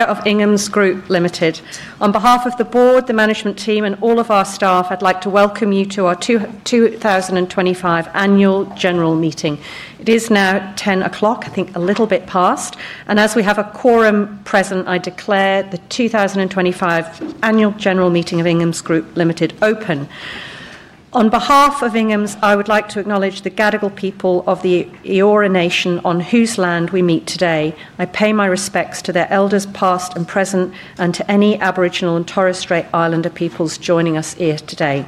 Of Inghams Group Limited. On behalf of the board, the management team, and all of our staff, I'd like to welcome you to our 2025 Annual General Meeting. It is now 10:00, I think a little bit past, and as we have a quorum present, I declare the 2025 Annual General Meeting of Inghams Group Limited open. On behalf of Inghams, I would like to acknowledge the Gadigal people of the Eora Nation on whose land we meet today. I pay my respects to their elders past and present, and to any Aboriginal and Torres Strait Islander peoples joining us here today.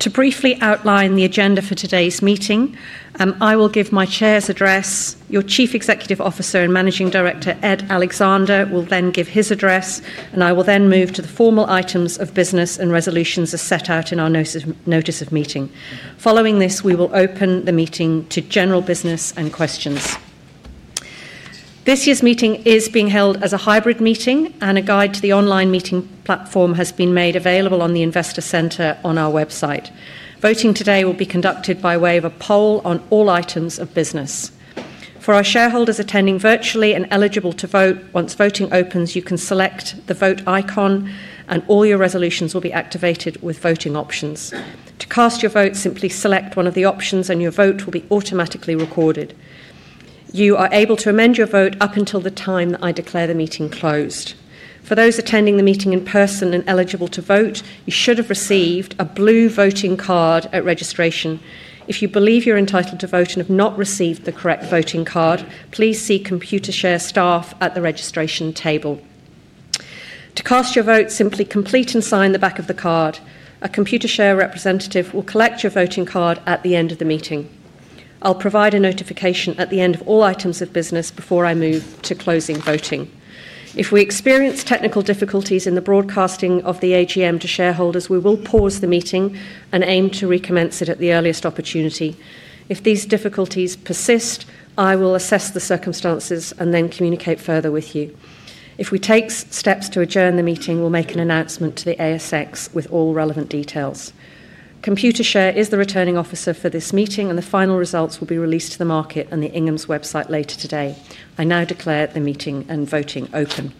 To briefly outline the agenda for today's meeting, I will give my chair's address. Your Chief Executive Officer and Managing Director, Ed Alexander, will then give his address, and I will then move to the formal items of business and resolutions as set out in our notice of meeting. Following this, we will open the meeting to general business and questions. This year's meeting is being held as a hybrid meeting, and a guide to the online meeting platform has been made available on the Investor Centre on our website. Voting today will be conducted by way of a poll on all items of business. For our shareholders attending virtually and eligible to vote, once voting opens, you can select the vote icon, and all your resolutions will be activated with voting options. To cast your vote, simply select one of the options, and your vote will be automatically recorded. You are able to amend your vote up until the time that I declare the meeting closed. For those attending the meeting in person and eligible to vote, you should have received a blue voting card at registration. If you believe you're entitled to vote and have not received the correct voting card, please see Computershare staff at the registration table. To cast your vote, simply complete and sign the back of the card. A Computershare representative will collect your voting card at the end of the meeting. I'll provide a notification at the end of all items of business before I move to closing voting. If we experience technical difficulties in the broadcasting of the AGM to shareholders, we will pause the meeting and aim to recommence it at the earliest opportunity. If these difficulties persist, I will assess the circumstances and then communicate further with you. If we take steps to adjourn the meeting, we'll make an announcement to the ASX with all relevant details. Computershare is the returning officer for this meeting, and the final results will be released to the market and the Inghams website later today. I now declare the meeting and voting open.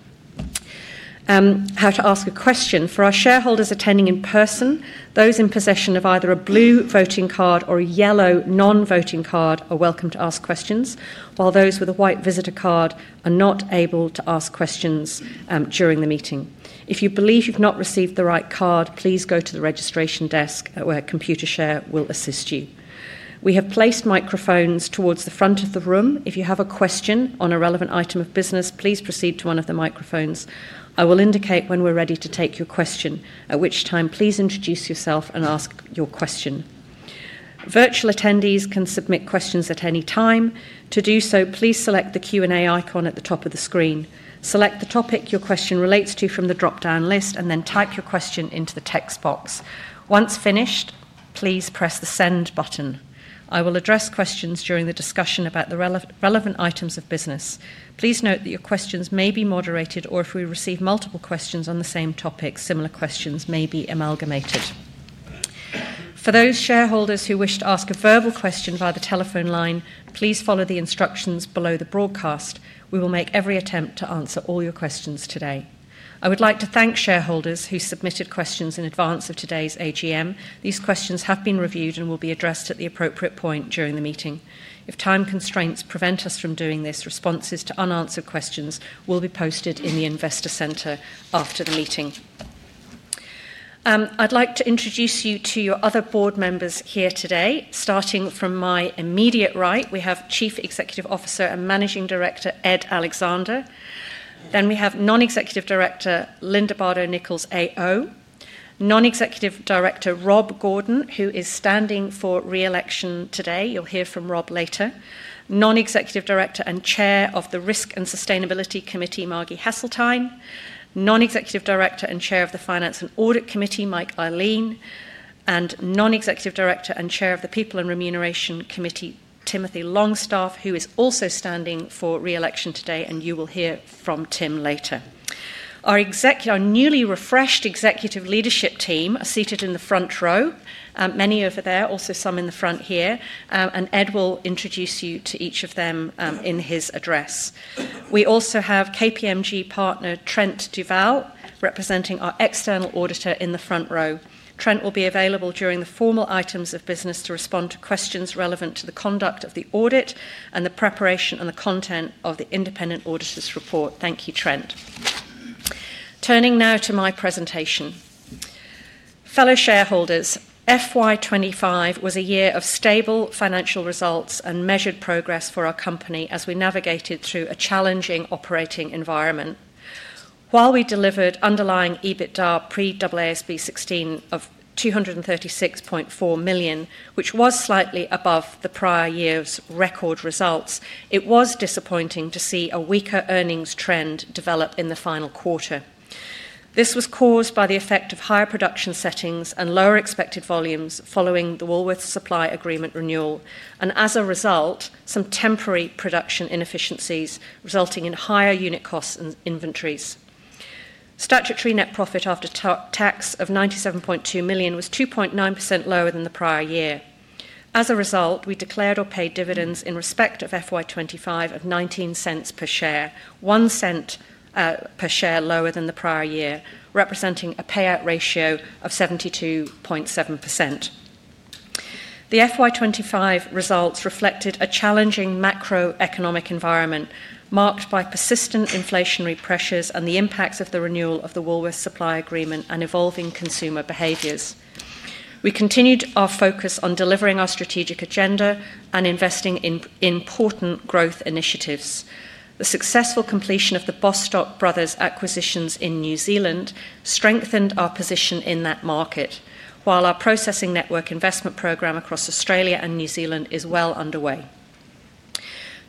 How to ask a question. For our shareholders attending in person, those in possession of either a blue voting card or a yellow non-voting card are welcome to ask questions, while those with a white visitor card are not able to ask questions during the meeting. If you believe you've not received the right card, please go to the registration desk where Computershare will assist you. We have placed microphones towards the front of the room. If you have a question on a relevant item of business, please proceed to one of the microphones. I will indicate when we're ready to take your question, at which time please introduce yourself and ask your question. Virtual attendees can submit questions at any time. To do so, please select the Q&A icon at the top of the screen. Select the topic your question relates to from the drop-down list, and then type your question into the text box. Once finished, please press the send button. I will address questions during the discussion about the relevant items of business. Please note that your questions may be moderated, or if we receive multiple questions on the same topic, similar questions may be amalgamated. For those shareholders who wish to ask a verbal question via the telephone line, please follow the instructions below the broadcast. We will make every attempt to answer all your questions today. I would like to thank shareholders who submitted questions in advance of today's AGM. These questions have been reviewed and will be addressed at the appropriate point during the meeting. If time constraints prevent us from doing this, responses to unanswered questions will be posted in the Investor Centre after the meeting. I'd like to introduce you to your other board members here today. Starting from my immediate right, we have Chief Executive Officer and Managing Director, Ed Alexander. Then we have Non-Executive Director, Linda Bardon Nichols, AO. Non-Executive Director, Rob Gordon, who is standing for re-election today. You'll hear from Rob later. Non-Executive Director and Chair of the Risk and Sustainability Committee, Margie Hesselstein. Non-Executive Director and Chair of the Finance and Audit Committee, Mike Ihlein. Non-Executive Director and Chair of the People and Remuneration Committee, Tim Longstaff, who is also standing for re-election today, and you will hear from Tim later. Our newly refreshed executive leadership team are seated in the front row. Many over there, also some in the front here, and Ed will introduce you to each of them in his address. We also have KPMG partner, Trent Duval, representing our external auditor in the front row. Trent will be available during the formal items of business to respond to questions relevant to the conduct of the audit and the preparation and the content of the independent auditor's report. Thank you, Trent. Turning now to my presentation. Fellow shareholders, FY25 was a year of stable financial results and measured progress for our company as we navigated through a challenging operating environment. While we delivered underlying EBITDA pre-ASB 16 of 236.4 million, which was slightly above the prior year's record results, it was disappointing to see a weaker earnings trend develop in the final quarter. This was caused by the effect of higher production settings and lower expected volumes following the Woolworths Supply Agreement renewal, and as a result, some temporary production inefficiencies resulting in higher unit costs and inventories. Statutory net profit after tax of 97.2 million was 2.9% lower than the prior year. As a result, we declared or paid dividends in respect of FY25 of 0.19 per share, one cent per share lower than the prior year, representing a payout ratio of 72.7%. The FY25 results reflected a challenging macroeconomic environment marked by persistent inflationary pressures and the impacts of the renewal of the Woolworths Supply Agreement and evolving consumer behaviours. We continued our focus on delivering our strategic agenda and investing in important growth initiatives. The successful completion of the Bostock Brothers acquisitions in New Zealand strengthened our position in that market, while our processing network investment program across Australia and New Zealand is well underway.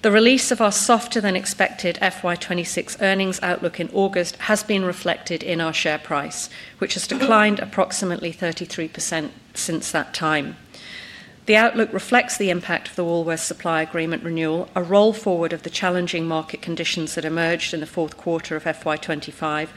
The release of our softer-than-expected FY26 earnings outlook in August has been reflected in our share price, which has declined approximately 33% since that time. The outlook reflects the impact of the Woolworths Supply Agreement renewal, a roll forward of the challenging market conditions that emerged in the fourth quarter of FY25,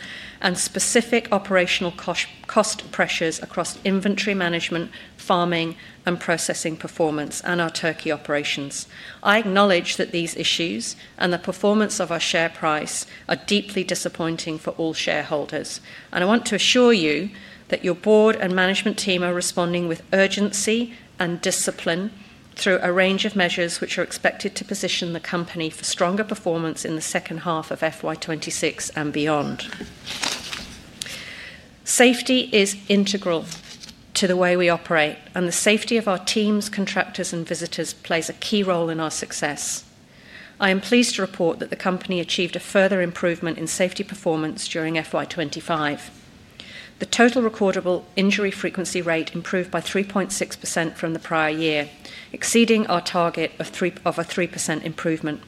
and specific operational cost pressures across inventory management, farming, and processing performance, and our turkey operations. I acknowledge that these issues and the performance of our share price are deeply disappointing for all shareholders, and I want to assure you that your Board and management team are responding with urgency and discipline through a range of measures which are expected to position the company for stronger performance in the second half of FY2026 and beyond. Safety is integral to the way we operate, and the safety of our teams, contractors, and visitors plays a key role in our success. I am pleased to report that the company achieved a further improvement in safety performance during FY2025. The total recordable injury frequency rate improved by 3.6% from the prior year, exceeding our target of a 3% improvement.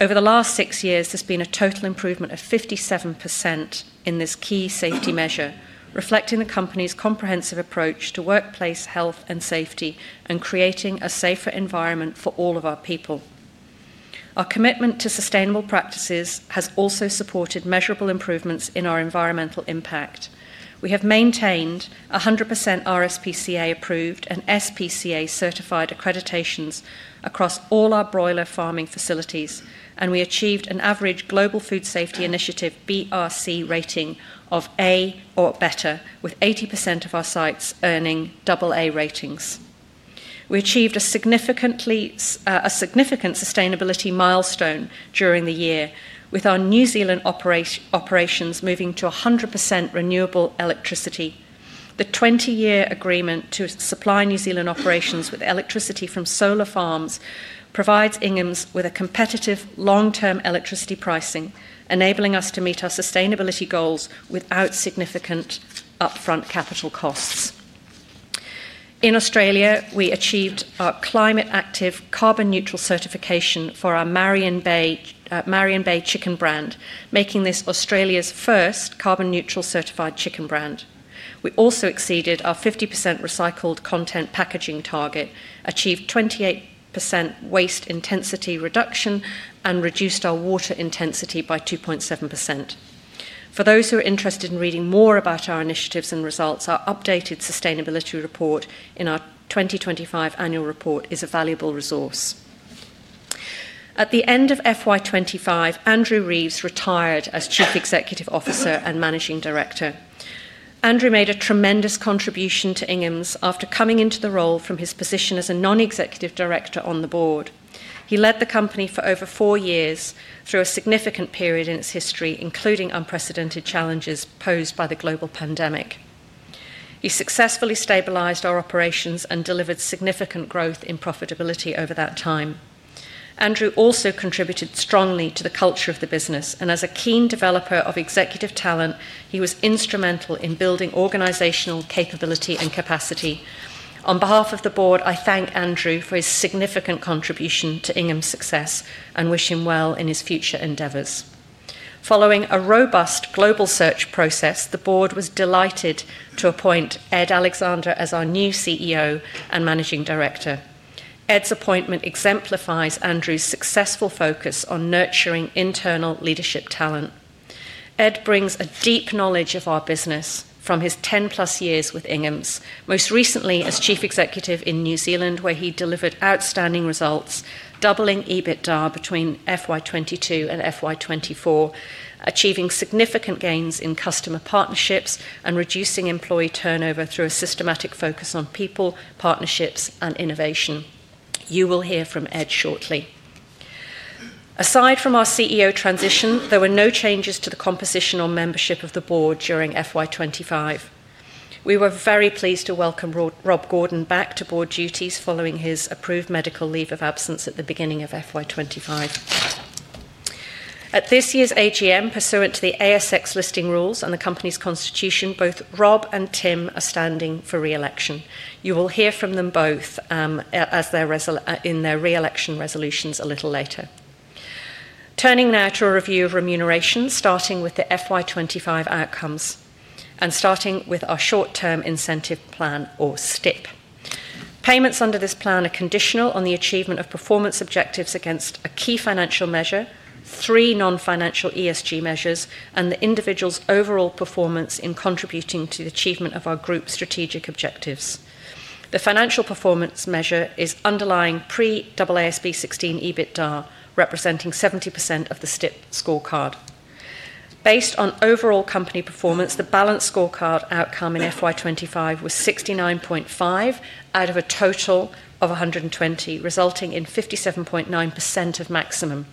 Over the last six years, there's been a total improvement of 57% in this key safety measure, reflecting the company's comprehensive approach to workplace health and safety and creating a safer environment for all of our people. Our commitment to sustainable practices has also supported measurable improvements in our environmental impact. We have maintained 100% RSPCA Approved and SPCA Certified accreditations across all our broiler farming facilities, and we achieved an average Global Food Safety Initiative (BRC) rating of A or better, with 80% of our sites earning AA ratings. We achieved a significant sustainability milestone during the year, with our New Zealand operations moving to 100% renewable electricity. The 20-year agreement to supply New Zealand operations with electricity from solar farms provides Inghams with a competitive long-term electricity pricing, enabling us to meet our sustainability goals without significant upfront capital costs. In Australia, we achieved our climate-active carbon-neutral certification for our Marion Bay Chicken brand, making this Australia's first carbon-neutral certified chicken brand. We also exceeded our 50% recycled content packaging target, achieved 28% waste intensity reduction, and reduced our water intensity by 2.7%. For those who are interested in reading more about our initiatives and results, our updated sustainability report in our 2025 Annual Report is a valuable resource. At the end of FY25, Andrew Reeves retired as Chief Executive Officer and Managing Director. Andrew made a tremendous contribution to Inghams after coming into the role from his position as a Non-Executive Director on the board. He led the company for over four years through a significant period in its history, including unprecedented challenges posed by the global pandemic. He successfully stabilized our operations and delivered significant growth in profitability over that time. Andrew also contributed strongly to the culture of the business, and as a keen developer of executive talent, he was instrumental in building organizational capability and capacity. On behalf of the board, I thank Andrew for his significant contribution to Inghams' success and wish him well in his future endeavors. Following a robust global search process, the board was delighted to appoint Ed Alexander as our new CEO and Managing Director. Ed's appointment exemplifies Andrew's successful focus on nurturing internal leadership talent. Ed brings a deep knowledge of our business from his 10-plus years with Inghams, most recently as Chief Executive in New Zealand, where he delivered outstanding results, doubling EBITDA between FY22 and FY24, achieving significant gains in customer partnerships and reducing employee turnover through a systematic focus on people, partnerships, and innovation. You will hear from Ed shortly. Aside from our CEO transition, there were no changes to the composition or membership of the board during FY25. We were very pleased to welcome Rob Gordon back to board duties following his approved medical leave of absence at the beginning of FY25. At this year's AGM, pursuant to the ASX listing rules and the company's constitution, both Rob and Tim are standing for re-election. You will hear from them both in their re-election resolutions a little later. Turning now to a review of remuneration, starting with the FY25 outcomes and starting with our short-term incentive plan, or STIP. Payments under this plan are conditional on the achievement of performance objectives against a key financial measure, three non-financial ESG measures, and the individual's overall performance in contributing to the achievement of our group's strategic objectives. The financial performance measure is underlying EBITDA pre-ASB 16, representing 70% of the STIP scorecard. Based on overall company performance, the balance scorecard outcome in FY25 was 69.5 out of a total of 120, resulting in 57.9% of maximum.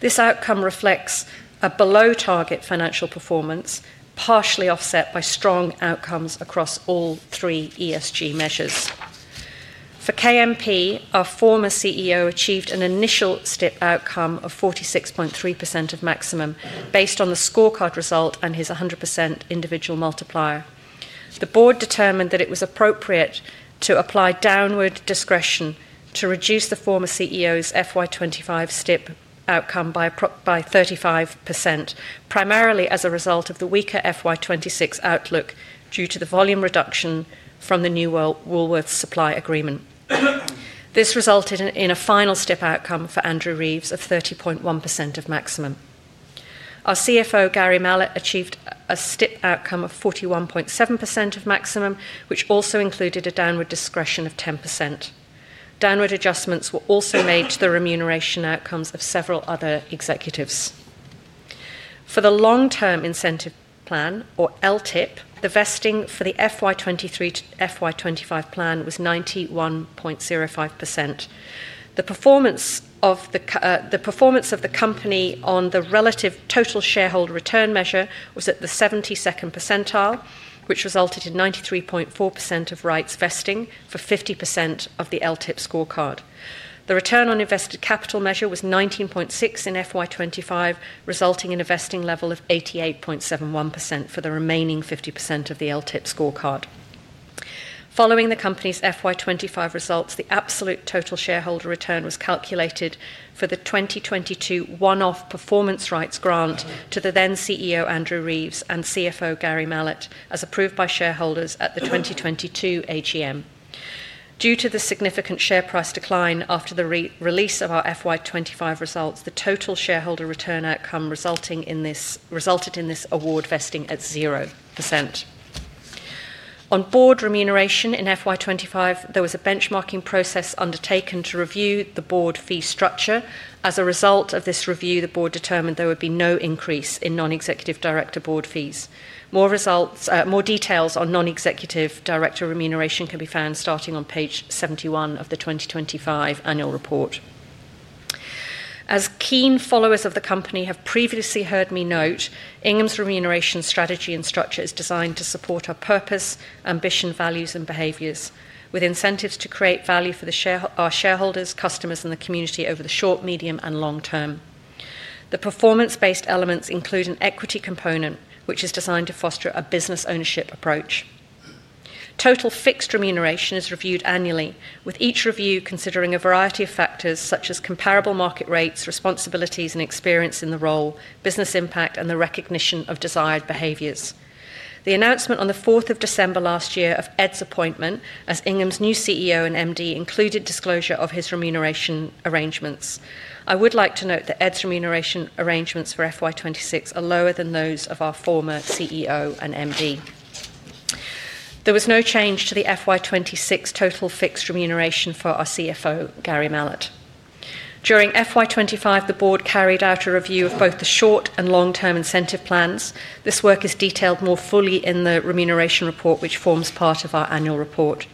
This outcome reflects a below-target financial performance, partially offset by strong outcomes across all three ESG measures. For KMP, our former CEO achieved an initial STIP outcome of 46.3% of maximum based on the scorecard result and his 100% individual multiplier. The board determined that it was appropriate to apply downward discretion to reduce the former CEO's FY25 STIP outcome by 35%, primarily as a result of the weaker FY26 outlook due to the volume reduction from the new Woolworths Supply Agreement. This resulted in a final STIP outcome for Andrew Reeves of 30.1% of maximum. Our CFO, Gary Mallett, achieved a STIP outcome of 41.7% of maximum, which also included a downward discretion of 10%. Downward adjustments were also made to the remuneration outcomes of several other executives. For the long-term incentive plan, or LTIP, the vesting for the FY23 to FY25 plan was 91.05%. The performance of the company on the relative total shareholder return measure was at the 72nd percentile, which resulted in 93.4% of rights vesting for 50% of the LTIP scorecard. The return on invested capital measure was 19.6% in FY25, resulting in a vesting level of 88.71% for the remaining 50% of the LTIP scorecard. Following the company's FY25 results, the absolute total shareholder return was calculated for the 2022 one-off performance rights grant to the then CEO, Andrew Reeves, and CFO, Gary Mallett, as approved by shareholders at the 2022 AGM. Due to the significant share price decline after the release of our FY25 results, the total shareholder return outcome resulted in this award vesting at 0%. On board remuneration in FY25, there was a benchmarking process undertaken to review the board fee structure. As a result of this review, the board determined there would be no increase in non-executive director board fees. More details on non-executive director remuneration can be found starting on page 71 of the 2025 Annual Report. As keen followers of the company have previously heard me note, Inghams' remuneration strategy and structure is designed to support our purpose, ambition, values, and behaviors, with incentives to create value for our shareholders, customers, and the community over the short, medium, and long term. The performance-based elements include an equity component, which is designed to foster a business ownership approach. Total fixed remuneration is reviewed annually, with each review considering a variety of factors such as comparable market rates, responsibilities and experience in the role, business impact, and the recognition of desired behaviors. The announcement on the 4th of December last year of Ed's appointment as Inghams' new CEO and MD included disclosure of his remuneration arrangements. I would like to note that Ed's remuneration arrangements for FY26 are lower than those of our former CEO and MD. There was no change to the FY26 total fixed remuneration for our CFO, Gary Mallett. During FY25, the board carried out a review of both the short and long-term incentive plans. This work is detailed more fully in the remuneration report, which forms part of our annual report.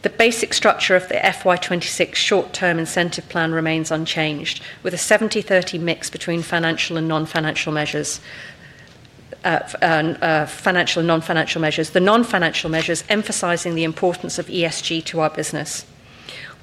The basic structure of the FY26 short-term incentive plan remains unchanged, with a 70-30 mix between financial and non-financial measures. The non-financial measures emphasize the importance of ESG to our business.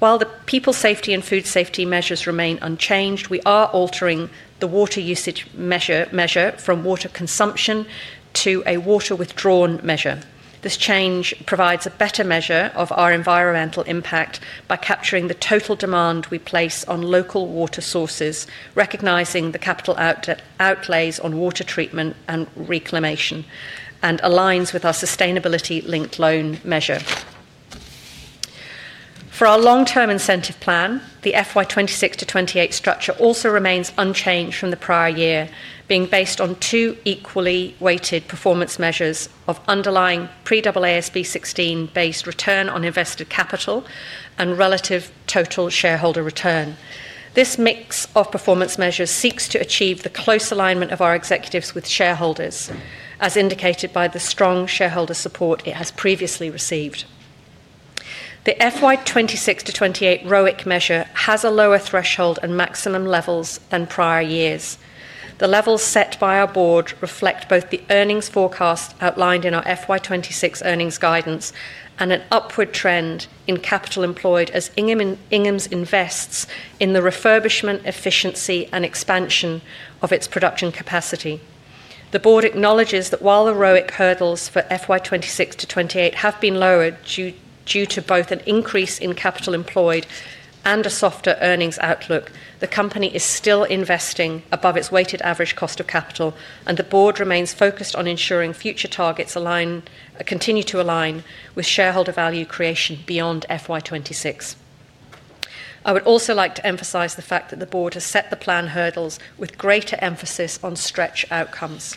While the people safety and food safety measures remain unchanged, we are altering the water usage measure from water consumption to a water withdrawn measure. This change provides a better measure of our environmental impact by capturing the total demand we place on local water sources, recognizing the capital outlays on water treatment and reclamation, and aligns with our sustainability-linked loan measure. For our long-term incentive plan, the FY26 to FY28 structure also remains unchanged from the prior year, being based on two equally weighted performance measures of underlying pre-ASB 16 based return on invested capital and relative total shareholder return. This mix of performance measures seeks to achieve the close alignment of our executives with shareholders, as indicated by the strong shareholder support it has previously received. The FY26 to FY28 ROIC measure has a lower threshold and maximum levels than prior years. The levels set by our board reflect both the earnings forecast outlined in our FY26 earnings guidance and an upward trend in capital employed as Inghams invests in the refurbishment, efficiency, and expansion of its production capacity. The board acknowledges that while the ROIC hurdles for FY26 to FY28 have been lowered due to both an increase in capital employed and a softer earnings outlook, the company is still investing above its weighted average cost of capital, and the board remains focused on ensuring future targets continue to align with shareholder value creation beyond FY26. I would also like to emphasize the fact that the board has set the plan hurdles with greater emphasis on stretch outcomes.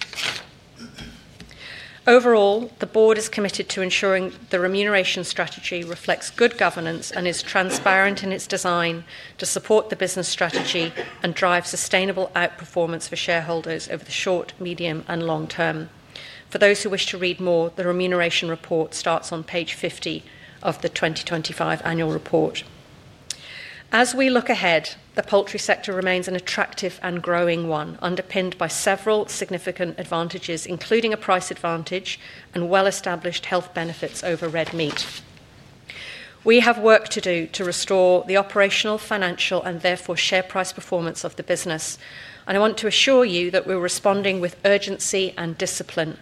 Overall, the board is committed to ensuring the remuneration strategy reflects good governance and is transparent in its design to support the business strategy and drive sustainable outperformance for shareholders over the short, medium, and long term. For those who wish to read more, the remuneration report starts on page 50 of the 2025 Annual Report. As we look ahead, the poultry sector remains an attractive and growing one, underpinned by several significant advantages, including a price advantage and well-established health benefits over red meat. We have work to do to restore the operational, financial, and therefore share price performance of the business, and I want to assure you that we're responding with urgency and discipline.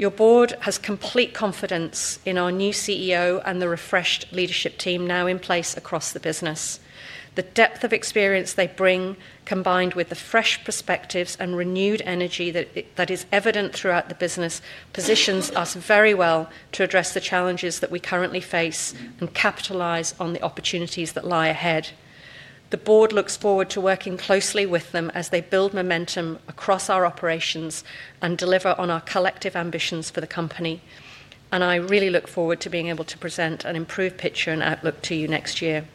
Your board has complete confidence in our new CEO and the refreshed leadership team now in place across the business. The depth of experience they bring, combined with the fresh perspectives and renewed energy that is evident throughout the business, positions us very well to address the challenges that we currently face and capitalise on the opportunities that lie ahead. The board looks forward to working closely with them as they build momentum across our operations and deliver on our collective ambitions for the company, and I really look forward to being able to present an improved picture and outlook to you next year.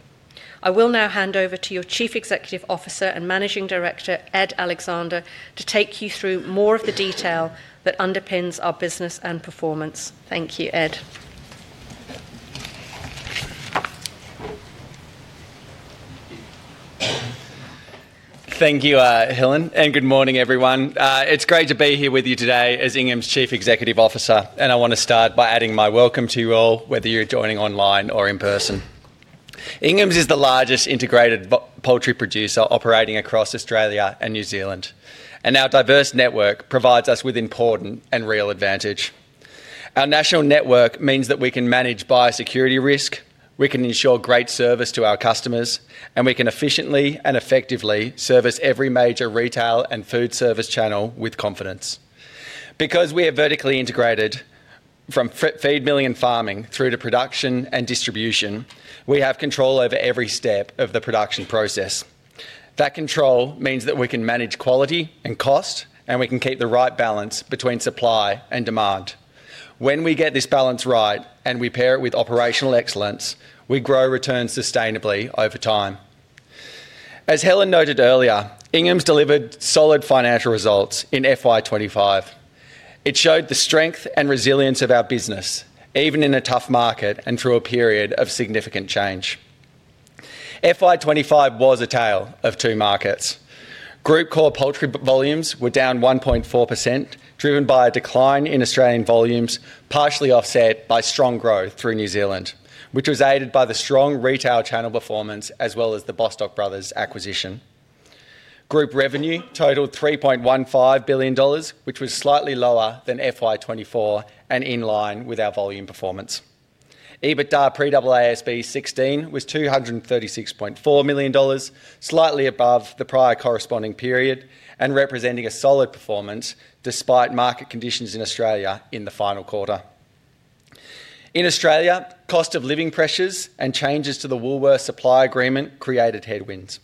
I will now hand over to your Chief Executive Officer and Managing Director, Ed Alexander, to take you through more of the detail that underpins our business and performance. Thank you, Ed. Thank you, Helen, and good morning, everyone. It's great to be here with you today as Inghams' Chief Executive Officer, and I want to start by adding my welcome to you all, whether you're joining online or in person. Inghams is the largest integrated poultry producer operating across Australia and New Zealand, and our diverse network provides us with important and real advantage. Our national network means that we can manage biosecurity risk, we can ensure great service to our customers, and we can efficiently and effectively service every major retail and food service channel with confidence. Because we are vertically integrated from feed mill and farming through to production and distribution, we have control over every step of the production process. That control means that we can manage quality and cost, and we can keep the right balance between supply and demand. When we get this balance right and we pair it with operational excellence, we grow returns sustainably over time. As Helen noted earlier, Inghams delivered solid financial results in FY25. It showed the strength and resilience of our business, even in a tough market and through a period of significant change. FY25 was a tale of two markets. Group core poultry volumes were down 1.4%, driven by a decline in Australian volumes, partially offset by strong growth through New Zealand, which was aided by the strong retail channel performance as well as the Bostock Brothers' acquisition. Group revenue totaled 3.15 billion dollars, which was slightly lower than FY24 and in line with our volume performance. EBITDA pre-ASB 16 was 236.4 million dollars, slightly above the prior corresponding period and representing a solid performance despite market conditions in Australia in the final quarter. In Australia, cost of living pressures and changes to the Woolworths Supply Agreement created headwinds,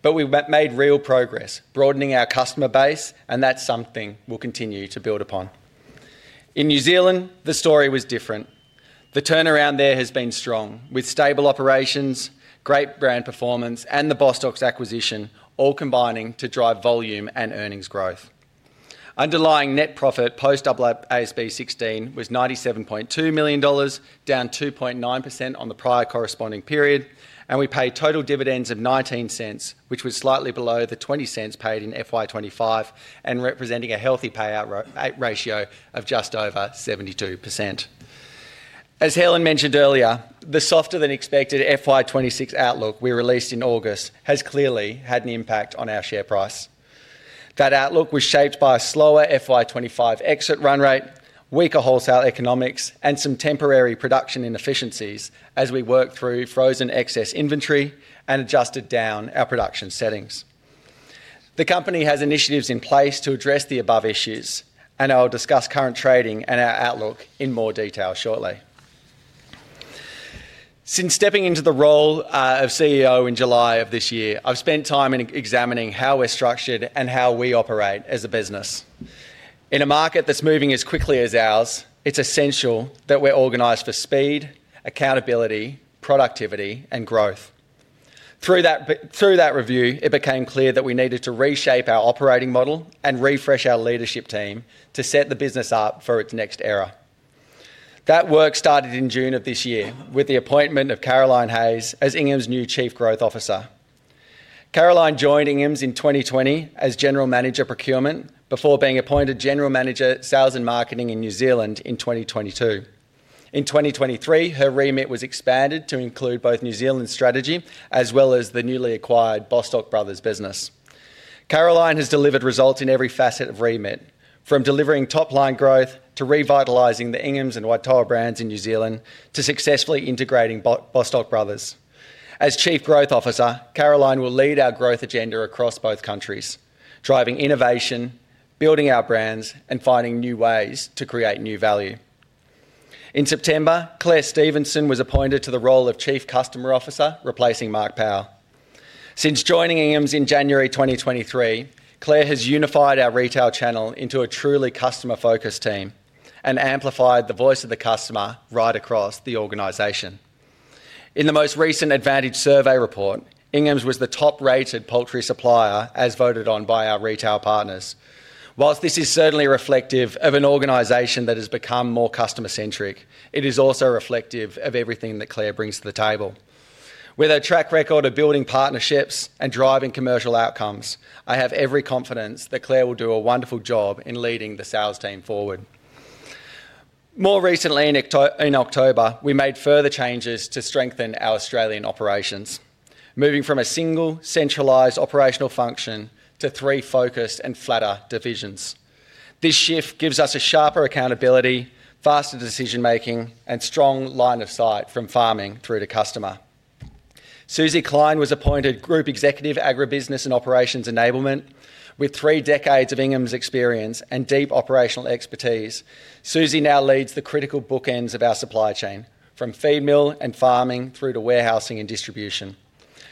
but we made real progress, broadening our customer base, and that's something we'll continue to build upon. In New Zealand, the story was different. The turnaround there has been strong, with stable operations, great brand performance, and the Bostock Brothers acquisition all combining to drive volume and earnings growth. Underlying net profit post-ASB 16 was 97.2 million dollars, down 2.9% on the prior corresponding period, and we paid total dividends of 0.19, which was slightly below the 0.20 paid in FY25 and representing a healthy payout ratio of just over 72%. As Helen mentioned earlier, the softer-than-expected FY26 outlook we released in August has clearly had an impact on our share price. That outlook was shaped by a slower FY25 exit run rate, weaker wholesale economics, and some temporary production inefficiencies as we worked through frozen excess inventory and adjusted down our production settings. The company has initiatives in place to address the above issues, and I'll discuss current trading and our outlook in more detail shortly. Since stepping into the role of CEO in July of this year, I've spent time examining how we're structured and how we operate as a business. In a market that's moving as quickly as ours, it's essential that we're organized for speed, accountability, productivity, and growth. Through that review, it became clear that we needed to reshape our operating model and refresh our leadership team to set the business up for its next era. That work started in June of this year with the appointment of Caroline Hayes as Inghams' new Chief Growth Officer. Caroline joined Inghams in 2020 as General Manager Procurement before being appointed General Manager Sales and Marketing in New Zealand in 2022. In 2023, her remit was expanded to include both New Zealand strategy as well as the newly acquired Bostock Brothers business. Caroline has delivered results in every facet of remit, from delivering top-line growth to revitalizing the Inghams and Waitau brands in New Zealand to successfully integrating Bostock Brothers. As Chief Growth Officer, Caroline will lead our growth agenda across both countries, driving innovation, building our brands, and finding new ways to create new value. In September, Clare Stevenson was appointed to the role of Chief Customer Officer, replacing Mark Powell. Since joining Inghams in January 2023, Clare has unified our retail channel into a truly customer-focused team and amplified the voice of the customer right across the organization. In the most recent Advantage survey report, Inghams was the top-rated poultry supplier as voted on by our retail partners. Whilst this is certainly reflective of an organization that has become more customer-centric, it is also reflective of everything that Clare brings to the table. With a track record of building partnerships and driving commercial outcomes, I have every confidence that Clare will do a wonderful job in leading the sales team forward. More recently, in October, we made further changes to strengthen our Australian operations, moving from a single centralized operational function to three focused and flatter divisions. This shift gives us a sharper accountability, faster decision-making, and strong line of sight from farming through to customer. Susie Klein was appointed Group Executive Agribusiness and Operations Enablement. With three decades of Inghams' experience and deep operational expertise, Susie now leads the critical bookends of our supply chain, from feed mill and farming through to warehousing and distribution.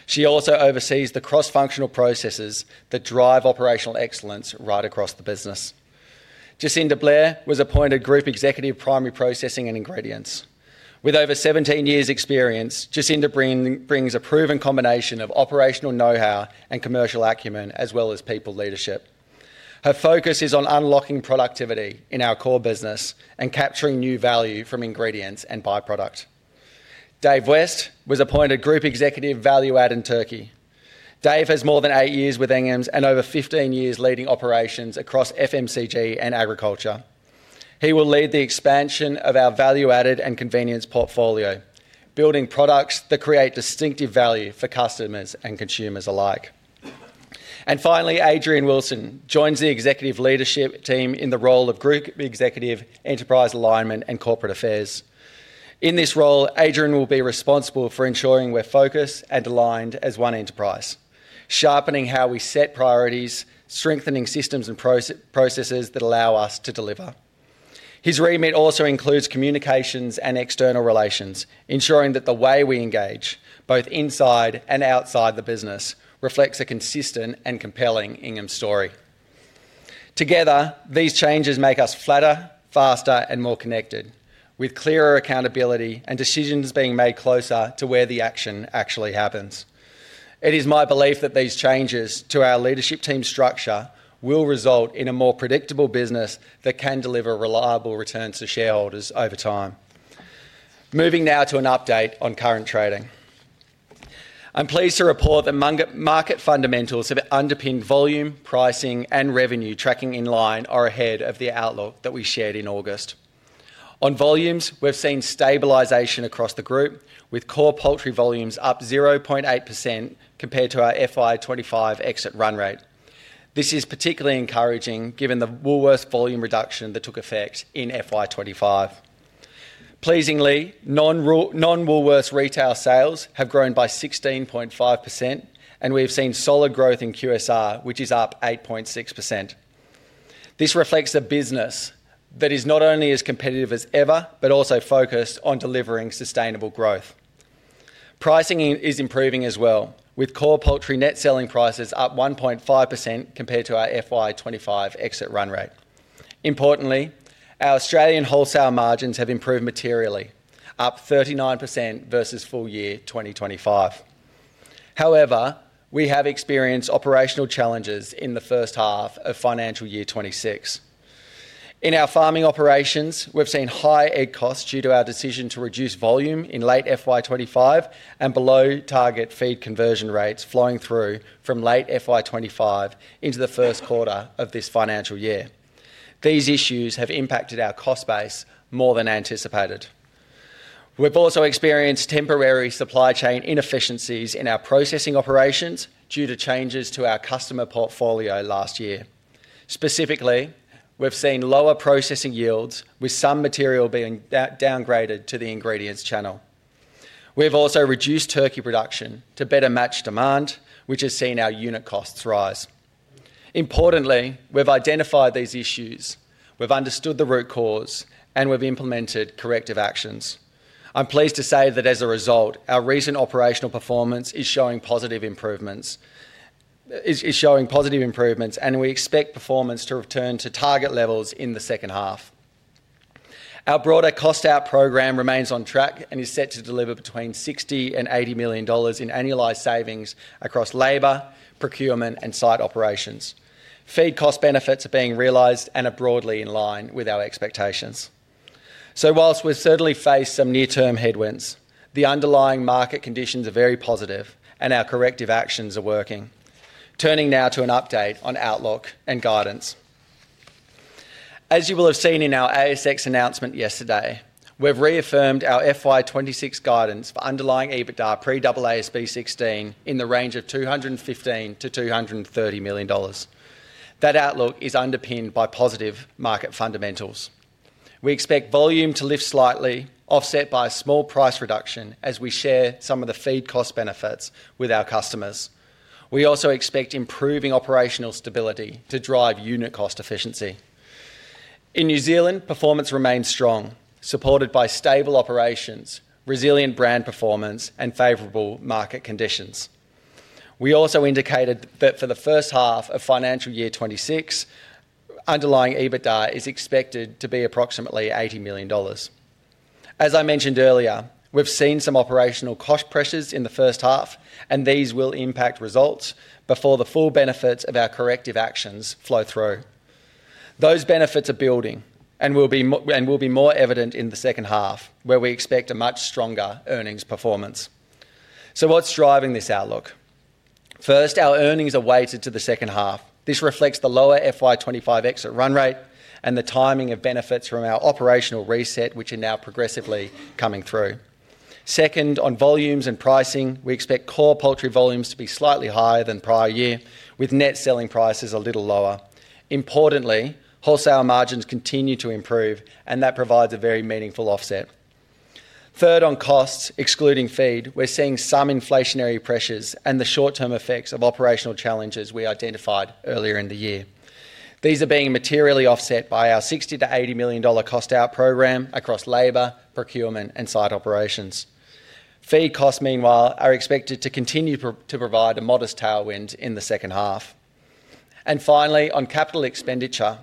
She also oversees the cross-functional processes that drive operational excellence right across the business. Jacinda Blair was appointed Group Executive Primary Processing and Ingredients. With over 17 years' experience, Jacinda brings a proven combination of operational know-how and commercial acumen as well as people leadership. Her focus is on unlocking productivity in our core business and capturing new value from ingredients and byproduct. Dave West was appointed Group Executive Value Add in Turkey. Dave has more than eight years with Inghams and over 15 years leading operations across FMCG and agriculture. He will lead the expansion of our value-added and convenience portfolio, building products that create distinctive value for customers and consumers alike. Finally, Adrian Wilson joins the executive leadership team in the role of Group Executive Enterprise Alignment and Corporate Affairs. In this role, Adrian will be responsible for ensuring we're focused and aligned as one enterprise, sharpening how we set priorities, strengthening systems and processes that allow us to deliver. His remit also includes communications and external relations, ensuring that the way we engage, both inside and outside the business, reflects a consistent and compelling Inghams' story. Together, these changes make us flatter, faster, and more connected, with clearer accountability and decisions being made closer to where the action actually happens. It is my belief that these changes to our leadership team structure will result in a more predictable business that can deliver reliable returns to shareholders over time. Moving now to an update on current trading. I'm pleased to report that market fundamentals have underpinned volume, pricing, and revenue tracking in line or ahead of the outlook that we shared in August. On volumes, we've seen stabilization across the group, with core poultry volumes up 0.8% compared to our FY25 exit run rate. This is particularly encouraging given the Woolworths volume reduction that took effect in FY25. Pleasingly, non-Woolworths retail sales have grown by 16.5%, and we have seen solid growth in QSR, which is up 8.6%. This reflects a business that is not only as competitive as ever but also focused on delivering sustainable growth. Pricing is improving as well, with core poultry net selling prices up 1.5% compared to our FY25 exit run rate. Importantly, our Australian wholesale margins have improved materially, up 39% versus full year 2025. However, we have experienced operational challenges in the first half of financial year 2026. In our farming operations, we've seen high egg costs due to our decision to reduce volume in late FY25 and below-target feed conversion rates flowing through from late FY25 into the first quarter of this financial year. These issues have impacted our cost base more than anticipated. We've also experienced temporary supply chain inefficiencies in our processing operations due to changes to our customer portfolio last year. Specifically, we've seen lower processing yields, with some material being downgraded to the ingredients channel. We've also reduced turkey production to better match demand, which has seen our unit costs rise. Importantly, we've identified these issues, we've understood the root cause, and we've implemented corrective actions. I'm pleased to say that as a result, our recent operational performance is showing positive improvements, and we expect performance to return to target levels in the second half. Our broader cost-out program remains on track and is set to deliver between 60 million and 80 million dollars in annualized savings across labor, procurement, and site operations. Feed cost benefits are being realized and are broadly in line with our expectations. Whilst we've certainly faced some near-term headwinds, the underlying market conditions are very positive, and our corrective actions are working. Turning now to an update on outlook and guidance. As you will have seen in our ASX announcement yesterday, we've reaffirmed our FY26 guidance for underlying EBITDA pre-ASB 16 in the range of 215 million-230 million dollars. That outlook is underpinned by positive market fundamentals. We expect volume to lift slightly, offset by a small price reduction as we share some of the feed cost benefits with our customers. We also expect improving operational stability to drive unit cost efficiency. In New Zealand, performance remains strong, supported by stable operations, resilient brand performance, and favorable market conditions. We also indicated that for the first half of financial year 2026, underlying EBITDA is expected to be approximately 80 million dollars. As I mentioned earlier, we've seen some operational cost pressures in the first half, and these will impact results before the full benefits of our corrective actions flow through. Those benefits are building and will be more evident in the second half, where we expect a much stronger earnings performance. What is driving this outlook? First, our earnings are weighted to the second half. This reflects the lower financial year 2025 exit run rate and the timing of benefits from our operational reset, which are now progressively coming through. Second, on volumes and pricing, we expect core poultry volumes to be slightly higher than prior year, with net selling prices a little lower. Importantly, wholesale margins continue to improve, and that provides a very meaningful offset. Third, on costs, excluding feed, we're seeing some inflationary pressures and the short-term effects of operational challenges we identified earlier in the year. These are being materially offset by our 60 million-80 million dollar cost-out program across labor, procurement, and site operations. Feed costs, meanwhile, are expected to continue to provide a modest tailwind in the second half. Finally, on capital expenditure,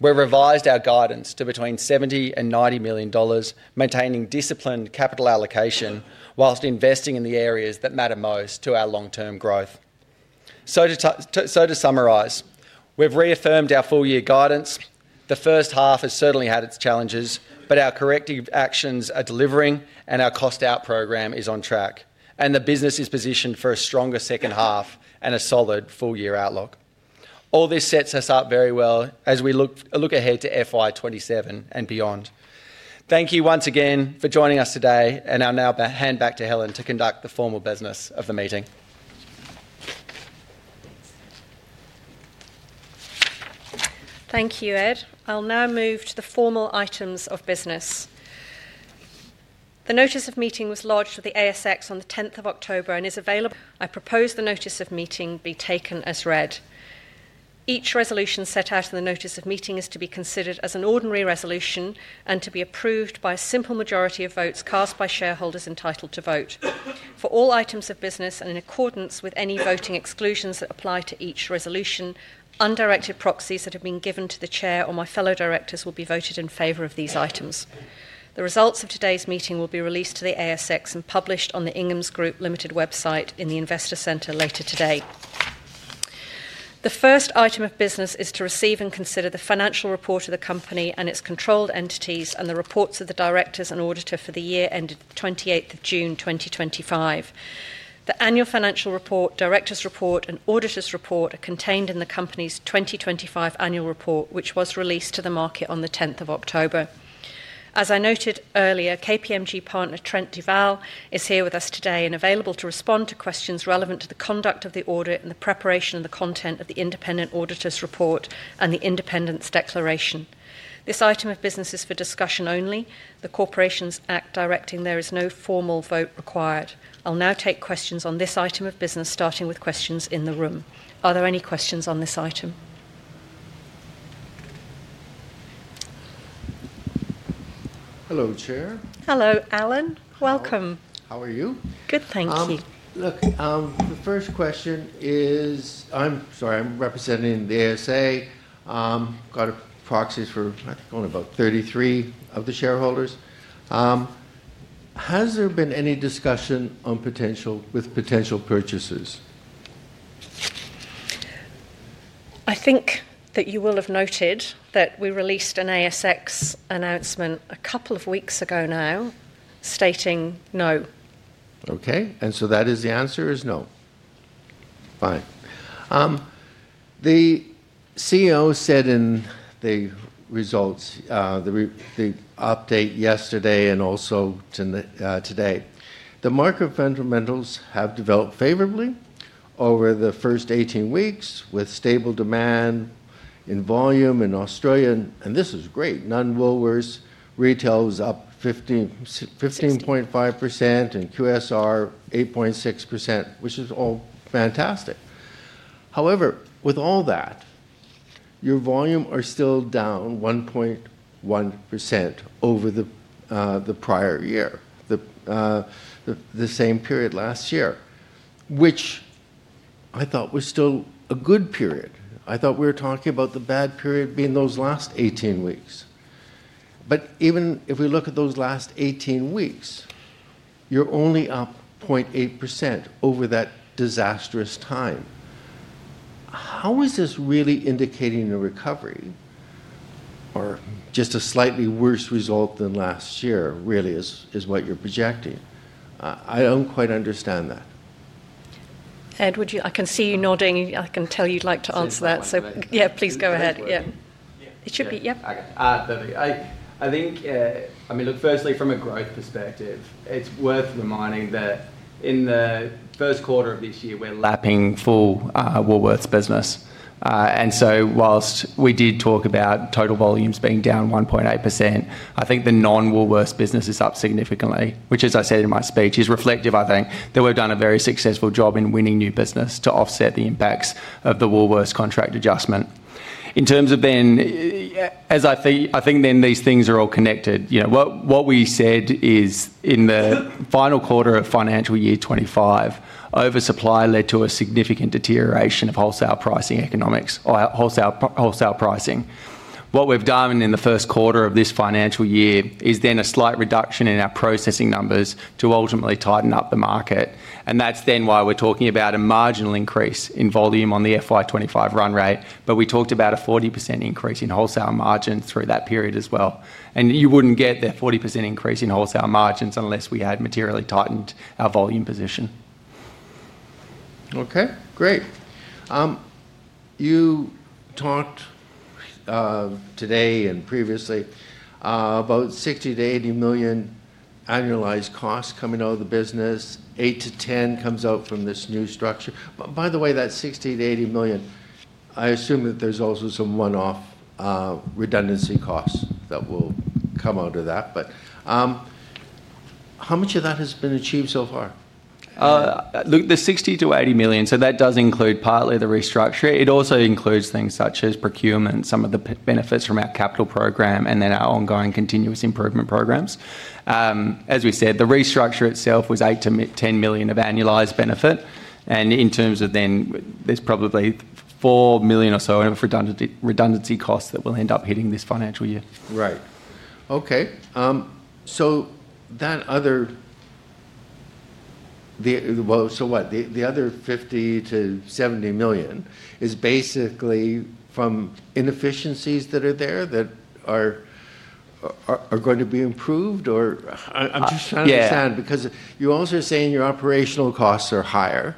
we've revised our guidance to between 70 million and 90 million dollars, maintaining disciplined capital allocation whilst investing in the areas that matter most to our long-term growth. To summarize, we've reaffirmed our full-year guidance. The first half has certainly had its challenges, but our corrective actions are delivering and our cost-out program is on track, and the business is positioned for a stronger second half and a solid full-year outlook. All this sets us up very well as we look ahead to FY27 and beyond. Thank you once again for joining us today, and I'll now hand back to Helen to conduct the formal business of the meeting. Thank you, Ed. I'll now move to the formal items of business. The notice of meeting was lodged with the ASX on the 10th of October and is available. I propose the notice of meeting be taken as read. Each resolution set out in the notice of meeting is to be considered as an ordinary resolution and to be approved by a simple majority of votes cast by shareholders entitled to vote. For all items of business and in accordance with any voting exclusions that apply to each resolution, undirected proxies that have been given to the Chair or my fellow directors will be voted in favor of these items. The results of today's meeting will be released to the ASX and published on the Inghams Group Limited website in the Investor Centre later today. The first item of business is to receive and consider the financial report of the company and its controlled entities and the reports of the directors and auditor for the year ended 28th of June 2025. The annual financial report, directors' report, and auditor's report are contained in the company's 2025 annual report, which was released to the market on the 10th of October. As I noted earlier, KPMG partner Trent Duval is here with us today and available to respond to questions relevant to the conduct of the audit and the preparation of the content of the independent auditor's report and the independence declaration. This item of business is for discussion only. The Corporations Act directing there is no formal vote required. I'll now take questions on this item of business, starting with questions in the room. Are there any questions on this item? Hello, Chair. Hello, Alan. Welcome. How are you? Good, thank you. Look, the first question is, I'm sorry, I'm representing the ASA. I've got proxies for, I think, only about 33 of the shareholders. Has there been any discussion with potential purchasers? I think that you will have noted that we released an ASX announcement a couple of weeks ago now stating no. Okay, and so that is, the answer is no. Fine. The CEO said in the results, the update yesterday and also today, the market fundamentals have developed favorably over the first 18 weeks with stable demand in volume in Australia, and this is great. Non-Woolworths retail is up 15.5% and QSR 8.6%, which is all fantastic. However, with all that, your volume are still down 1.1% over the prior year, the same period last year, which I thought was still a good period. I thought we were talking about the bad period being those last 18 weeks. Even if we look at those last 18 weeks, you're only up 0.8% over that disastrous time. How is this really indicating a recovery or just a slightly worse result than last year, really, is what you're projecting? I don't quite understand that. Ed, I can see you nodding. I can tell you'd like to answer that. Yeah, please go ahead. Yeah, it should be. Yeah. I think, I mean, look, firstly, from a growth perspective, it's worth reminding that in the first quarter of this year, we're lapping full Woolworths business. And so whilst we did talk about total volumes being down 1.8%, I think the non-Woolworths business is up significantly, which, as I said in my speech, is reflective, I think, that we've done a very successful job in winning new business to offset the impacts of the Woolworths contract adjustment. In terms of then, as I think, I think then these things are all connected. What we said is in the final quarter of financial year 2025, oversupply led to a significant deterioration of wholesale pricing economics, wholesale pricing. What we've done in the first quarter of this financial year is then a slight reduction in our processing numbers to ultimately tighten up the market. That is then why we are talking about a marginal increase in volume on the FY25 run rate. We talked about a 40% increase in wholesale margins through that period as well. You would not get that 40% increase in wholesale margins unless we had materially tightened our volume position. Okay, great. You talked today and previously about 60 million-80 million annualized costs coming out of the business. 8 million-10 million comes out from this new structure. By the way, that 60 million-80 million, I assume that there's also some one-off redundancy costs that will come out of that. How much of that has been achieved so far? Look, the 60-80 million, so that does include partly the restructure. It also includes things such as procurement, some of the benefits from our capital program, and then our ongoing continuous improvement programs. As we said, the restructure itself was 8-10 million of annualized benefit. In terms of then, there is probably 4 million or so of redundancy costs that will end up hitting this financial year. Right. Okay. That other, what, the other 50-70 million is basically from inefficiencies that are there that are going to be improved or? I'm just trying to understand because you also are saying your operational costs are higher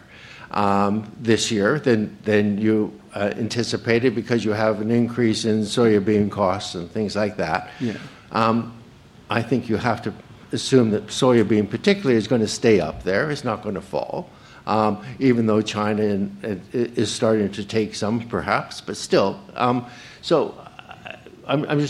this year than you anticipated because you have an increase in soybean costs and things like that. I think you have to assume that soybean particularly is going to stay up there. It's not going to fall, even though China is starting to take some, perhaps, but still. I'm just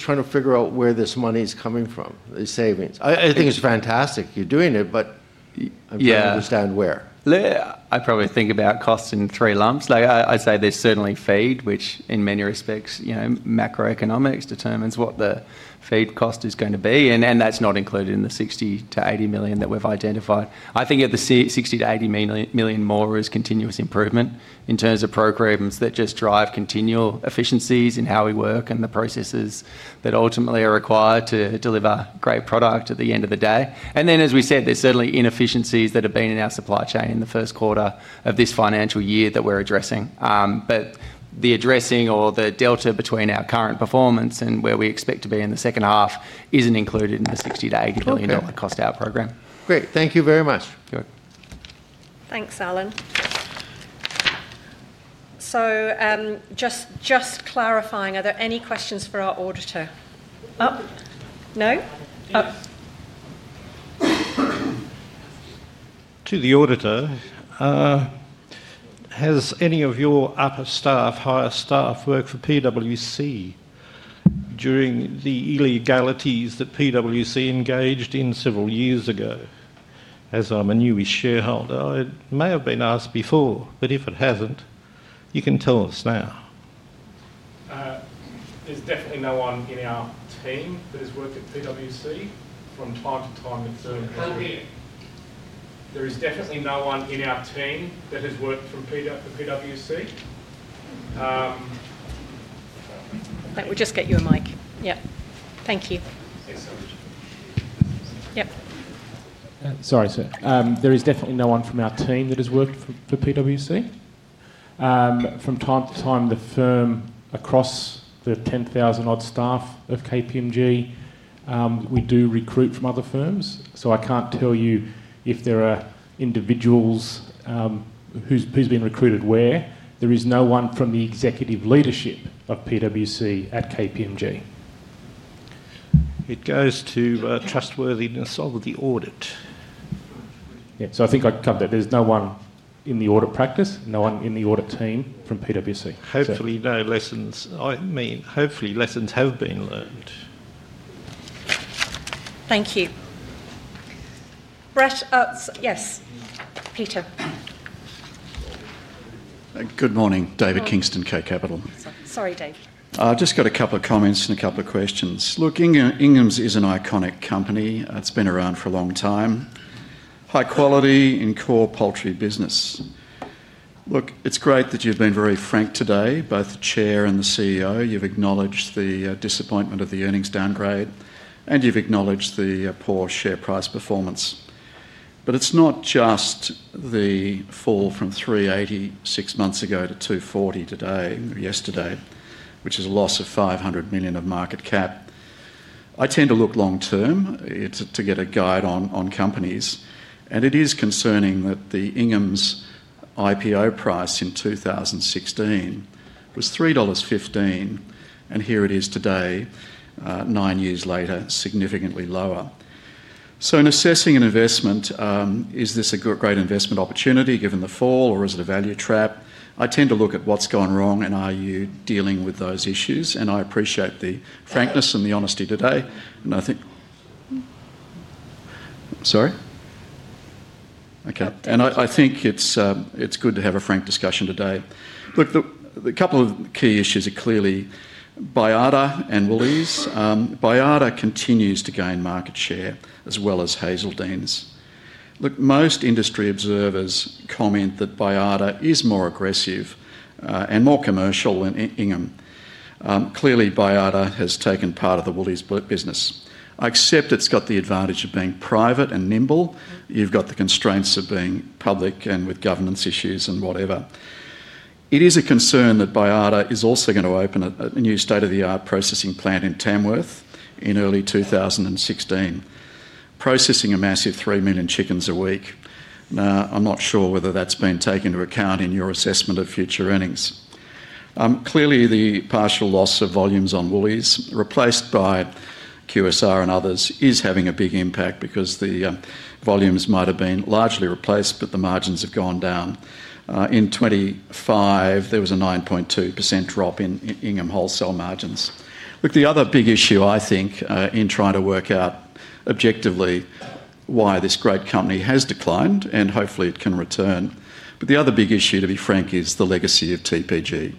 trying to figure out where this money is coming from, the savings. I think it's fantastic you're doing it, but I'm trying to understand where. I probably think about costs in three lumps. Like I say, there's certainly feed, which in many respects, macroeconomics determines what the feed cost is going to be. That's not included in the 60-80 million that we've identified. I think the 60-80 million more is continuous improvement in terms of programs that just drive continual efficiencies in how we work and the processes that ultimately are required to deliver great product at the end of the day. Then, as we said, there's certainly inefficiencies that have been in our supply chain in the first quarter of this financial year that we're addressing. The addressing or the delta between our current performance and where we expect to be in the second half isn't included in the 60-80 million dollar cost-out program. Great. Thank you very much. Thanks, Alan. Just clarifying, are there any questions for our auditor? No? To the auditor, has any of your upper staff, higher staff, worked for PWC during the illegalities that PWC engaged in several years ago? As I'm a newish shareholder, it may have been asked before, but if it hasn't, you can tell us now. There's definitely no one in our team that has worked at PWC from time to time. There is definitely no one in our team that has worked for PWC. Thank you. We'll just get you a mic. Yeah. Thank you. Thanks so much. Yep. Sorry, sir. There is definitely no one from our team that has worked for PWC. From time to time, the firm across the 10,000-odd staff of KPMG, we do recruit from other firms. So I can't tell you if there are individuals who's been recruited where. There is no one from the executive leadership of PWC at KPMG. It goes to trustworthiness of the audit. Yeah. I think I covered that. There's no one in the audit practice, no one in the audit team from PWC. Hopefully, no lessons, I mean, hopefully, lessons have been learned. Thank you. Yes, Peter. Good morning. David Kingston, K Capital. Sorry, Dave. I've just got a couple of comments and a couple of questions. Look, Inghams is an iconic company. It's been around for a long time. High quality in core poultry business. Look, it's great that you've been very frank today, both the Chair and the CEO. You've acknowledged the disappointment of the earnings downgrade, and you've acknowledged the poor share price performance. It's not just the fall from 3.80 six months ago to 2.40 today or yesterday, which is a loss of 500 million of market cap. I tend to look long-term to get a guide on companies. It is concerning that the Inghams IPO price in 2016 was 3.15 dollars, and here it is today, nine years later, significantly lower. In assessing an investment, is this a great investment opportunity given the fall, or is it a value trap? I tend to look at what's gone wrong, and are you dealing with those issues? I appreciate the frankness and the honesty today. I think, sorry? Okay. I think it's good to have a frank discussion today. Look, a couple of key issues are clearly Baiada and Woolworths. Baiada continues to gain market share as well as Hazeldene's. Most industry observers comment that Baiada is more aggressive and more commercial than Inghams. Clearly, Baiada has taken part of the Woolworths' business. I accept it's got the advantage of being private and nimble. You've got the constraints of being public and with governance issues and whatever. It is a concern that Baiada is also going to open a new state-of-the-art processing plant in Tamworth in early 2016, processing a massive 3 million chickens a week. Now, I'm not sure whether that's been taken into account in your assessment of future earnings. Clearly, the partial loss of volumes on Woolworths, replaced by QSR and others, is having a big impact because the volumes might have been largely replaced, but the margins have gone down. In 2025, there was a 9.2% drop in Inghams wholesale margins. Look, the other big issue, I think, in trying to work out objectively why this great company has declined and hopefully it can return. The other big issue, to be frank, is the legacy of TPG.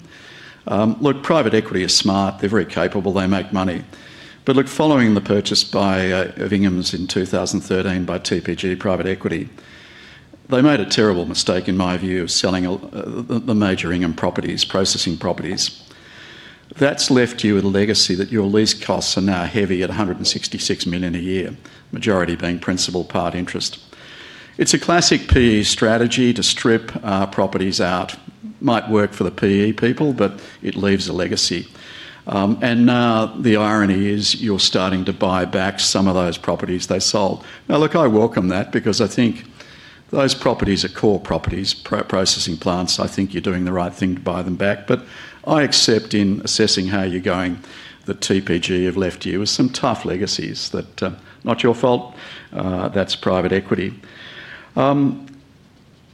Look, private equity is smart. They're very capable. They make money. Following the purchase by Inghams in 2013 by TPG private equity, they made a terrible mistake, in my view, of selling the major Inghams properties, processing properties. That's left you with a legacy that your lease costs are now heavy at 166 million a year, majority being principal, part interest. It's a classic PE strategy to strip properties out. Might work for the PE people, but it leaves a legacy. Now the irony is you're starting to buy back some of those properties they sold. Now, look, I welcome that because I think those properties are core properties, processing plants. I think you're doing the right thing to buy them back. I accept in assessing how you're going that TPG have left you with some tough legacies that are not your fault. That's private equity.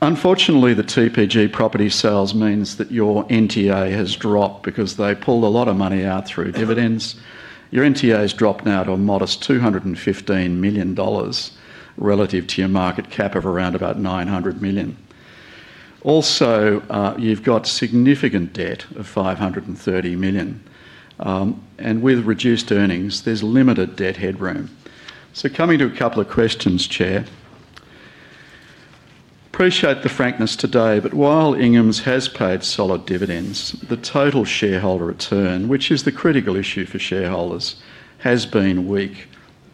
Unfortunately, the TPG property sales means that your NTA has dropped because they pulled a lot of money out through dividends. Your NTA has dropped now to a modest 215 million dollars relative to your market cap of around about 900 million. Also, you've got significant debt of 530 million. With reduced earnings, there's limited debt headroom. Coming to a couple of questions, Chair. Appreciate the frankness today, but while Inghams has paid solid dividends, the total shareholder return, which is the critical issue for shareholders, has been weak,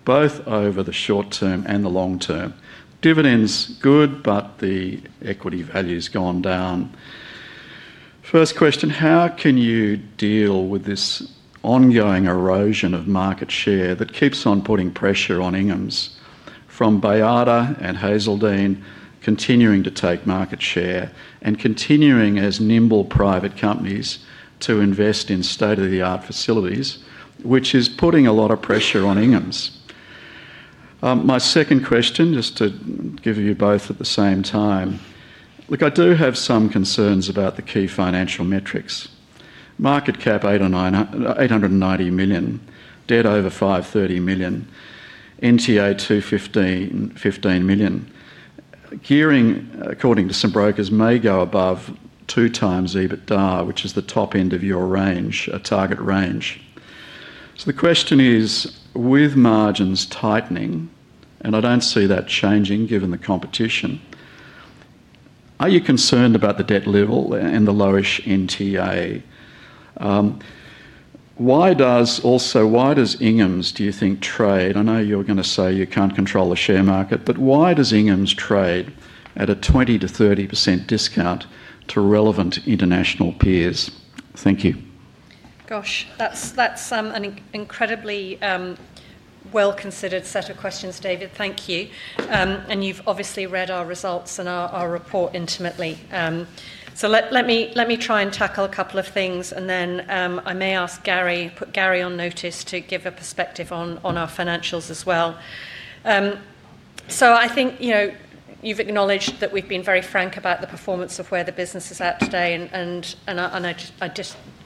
both over the short term and the long term. Dividends, good, but the equity value has gone down. First question, how can you deal with this ongoing erosion of market share that keeps on putting pressure on Inghams from Baiada and Hazeldene's continuing to take market share and continuing as nimble private companies to invest in state-of-the-art facilities, which is putting a lot of pressure on Inghams? My second question, just to give you both at the same time. Look, I do have some concerns about the key financial metrics. Market cap 890 million, debt over 530 million, NTA 215 million. Gearing, according to some brokers, may go above two times EBITDA, which is the top end of your range, a target range. The question is, with margins tightening, and I do not see that changing given the competition, are you concerned about the debt level and the lowish NTA? Why does also, why does Inghams, do you think, trade? I know you are going to say you cannot control the share market, but why does Inghams trade at a 20%-30% discount to relevant international peers? Thank you. Gosh, that's an incredibly well-considered set of questions, David. Thank you. And you've obviously read our results and our report intimately. Let me try and tackle a couple of things, and then I may ask Gary, put Gary on notice to give a perspective on our financials as well. I think you've acknowledged that we've been very frank about the performance of where the business is at today.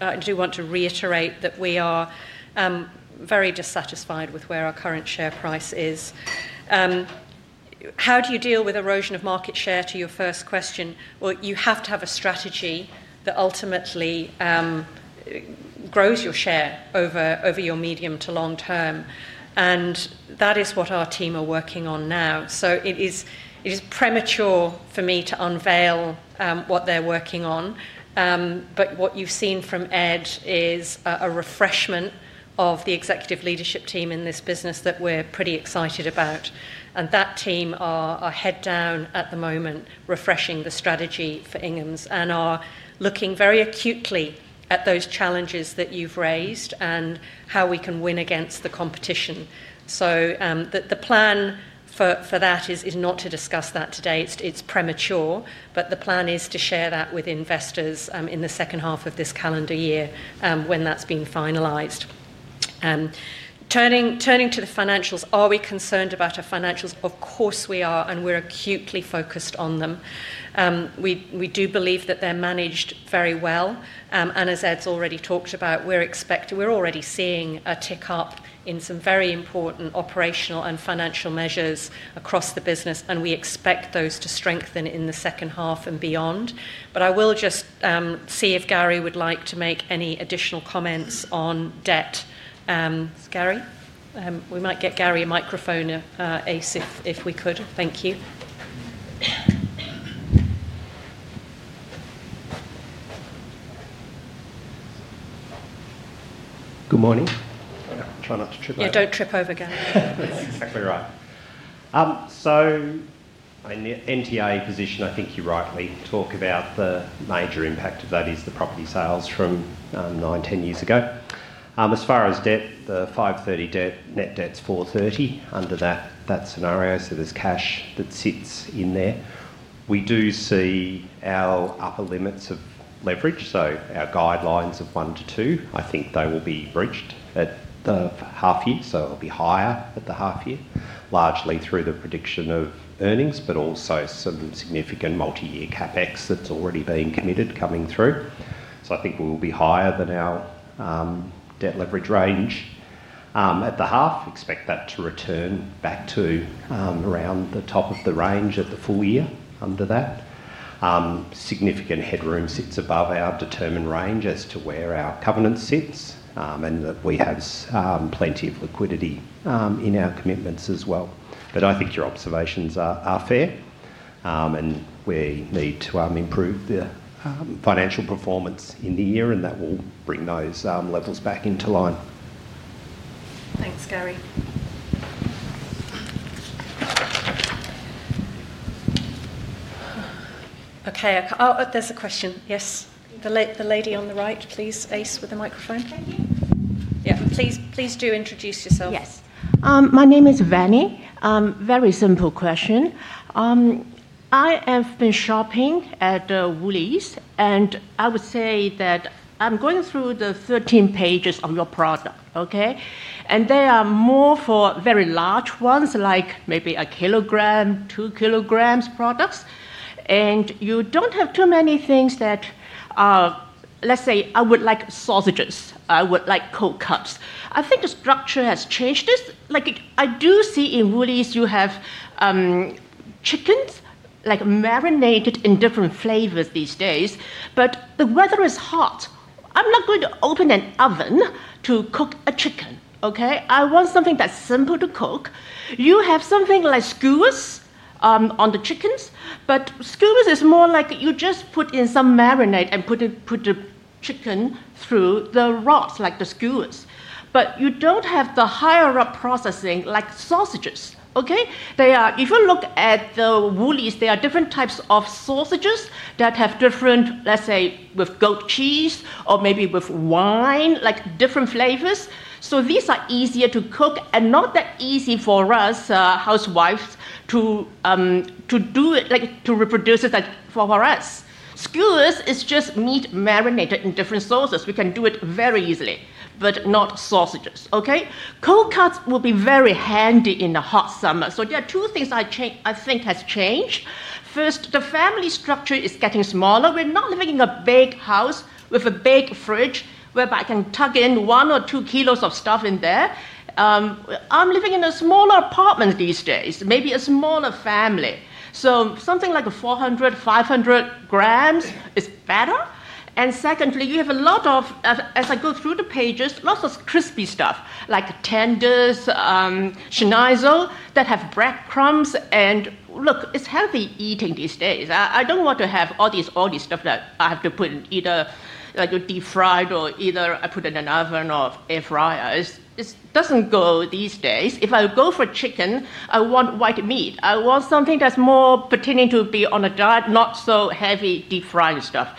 I do want to reiterate that we are very dissatisfied with where our current share price is. How do you deal with erosion of market share, to your first question? You have to have a strategy that ultimately grows your share over your medium to long term. That is what our team are working on now. It is premature for me to unveil what they're working on. What you have seen from Ed is a refreshment of the executive leadership team in this business that we are pretty excited about. That team are head down at the moment refreshing the strategy for Inghams and are looking very acutely at those challenges that you have raised and how we can win against the competition. The plan for that is not to discuss that today. It is premature. The plan is to share that with investors in the second half of this calendar year when that has been finalized. Turning to the financials, are we concerned about our financials? Of course we are, and we are acutely focused on them. We do believe that they are managed very well. As Ed has already talked about, we are expecting, we are already seeing a tick up in some very important operational and financial measures across the business. We expect those to strengthen in the second half and beyond. I will just see if Gary would like to make any additional comments on debt. Gary? We might get Gary a microphone, ACE, if we could. Thank you. Good morning. Try not to trip over. Yeah, don't trip over again. That's exactly right. In the NTA position, I think you rightly talk about the major impact of that being the property sales from nine, ten years ago. As far as debt, the 530 million net debt is 430 million under that scenario. There is cash that sits in there. We do see our upper limits of leverage, so our guidelines of one to two, and I think they will be breached at the half year. It will be higher at the half year, largely through the prediction of earnings, but also some significant multi-year CapEx that has already been committed coming through. I think we will be higher than our debt leverage range at the half. Expect that to return back to around the top of the range at the full year under that. Significant headroom sits above our determined range as to where our covenant sits, and that we have plenty of liquidity in our commitments as well. I think your observations are fair, and we need to improve the financial performance in the year, and that will bring those levels back into line. Thanks, Gary. Okay, there's a question. Yes? The lady on the right, please, Ace, with the microphone. Thank you. Yeah, please do introduce yourself. Yes. My name is Vanny. Very simple question. I have been shopping at Woolworths, and I would say that I'm going through the 13 pages of your product, okay? They are more for very large ones, like maybe 1 kilogram, 2 kilograms products. You do not have too many things that are, let's say, I would like sausages. I would like cold cuts. I think the structure has changed. I do see in Woolworths, you have chickens marinated in different flavors these days, but the weather is hot. I'm not going to open an oven to cook a chicken, okay? I want something that's simple to cook. You have something like skewers on the chickens, but skewers is more like you just put in some marinade and put the chicken through the rods, like the skewers. You do not have the higher-up processing like sausages, okay? If you look at the Woolworths, there are different types of sausages that have different, let's say, with goat cheese or maybe with wine, like different flavors. These are easier to cook and not that easy for us housewives to do it, to reproduce it for us. Skewers is just meat marinated in different sauces. We can do it very easily, but not sausages, okay? Cold cuts will be very handy in the hot summer. There are two things I think have changed. First, the family structure is getting smaller. We're not living in a big house with a big fridge whereby I can tuck in one or two kilos of stuff in there. I'm living in a smaller apartment these days, maybe a smaller family. Something like 400-500 grams is better. Secondly, you have a lot of, as I go through the pages, lots of crispy stuff like tenders, schnitzel that have breadcrumbs. Look, it is healthy eating these days. I do not want to have all this stuff that I have to put in either deep fried or either I put in an oven or air fryer. It does not go these days. If I go for chicken, I want white meat. I want something that is more pertaining to be on a diet, not so heavy deep frying stuff.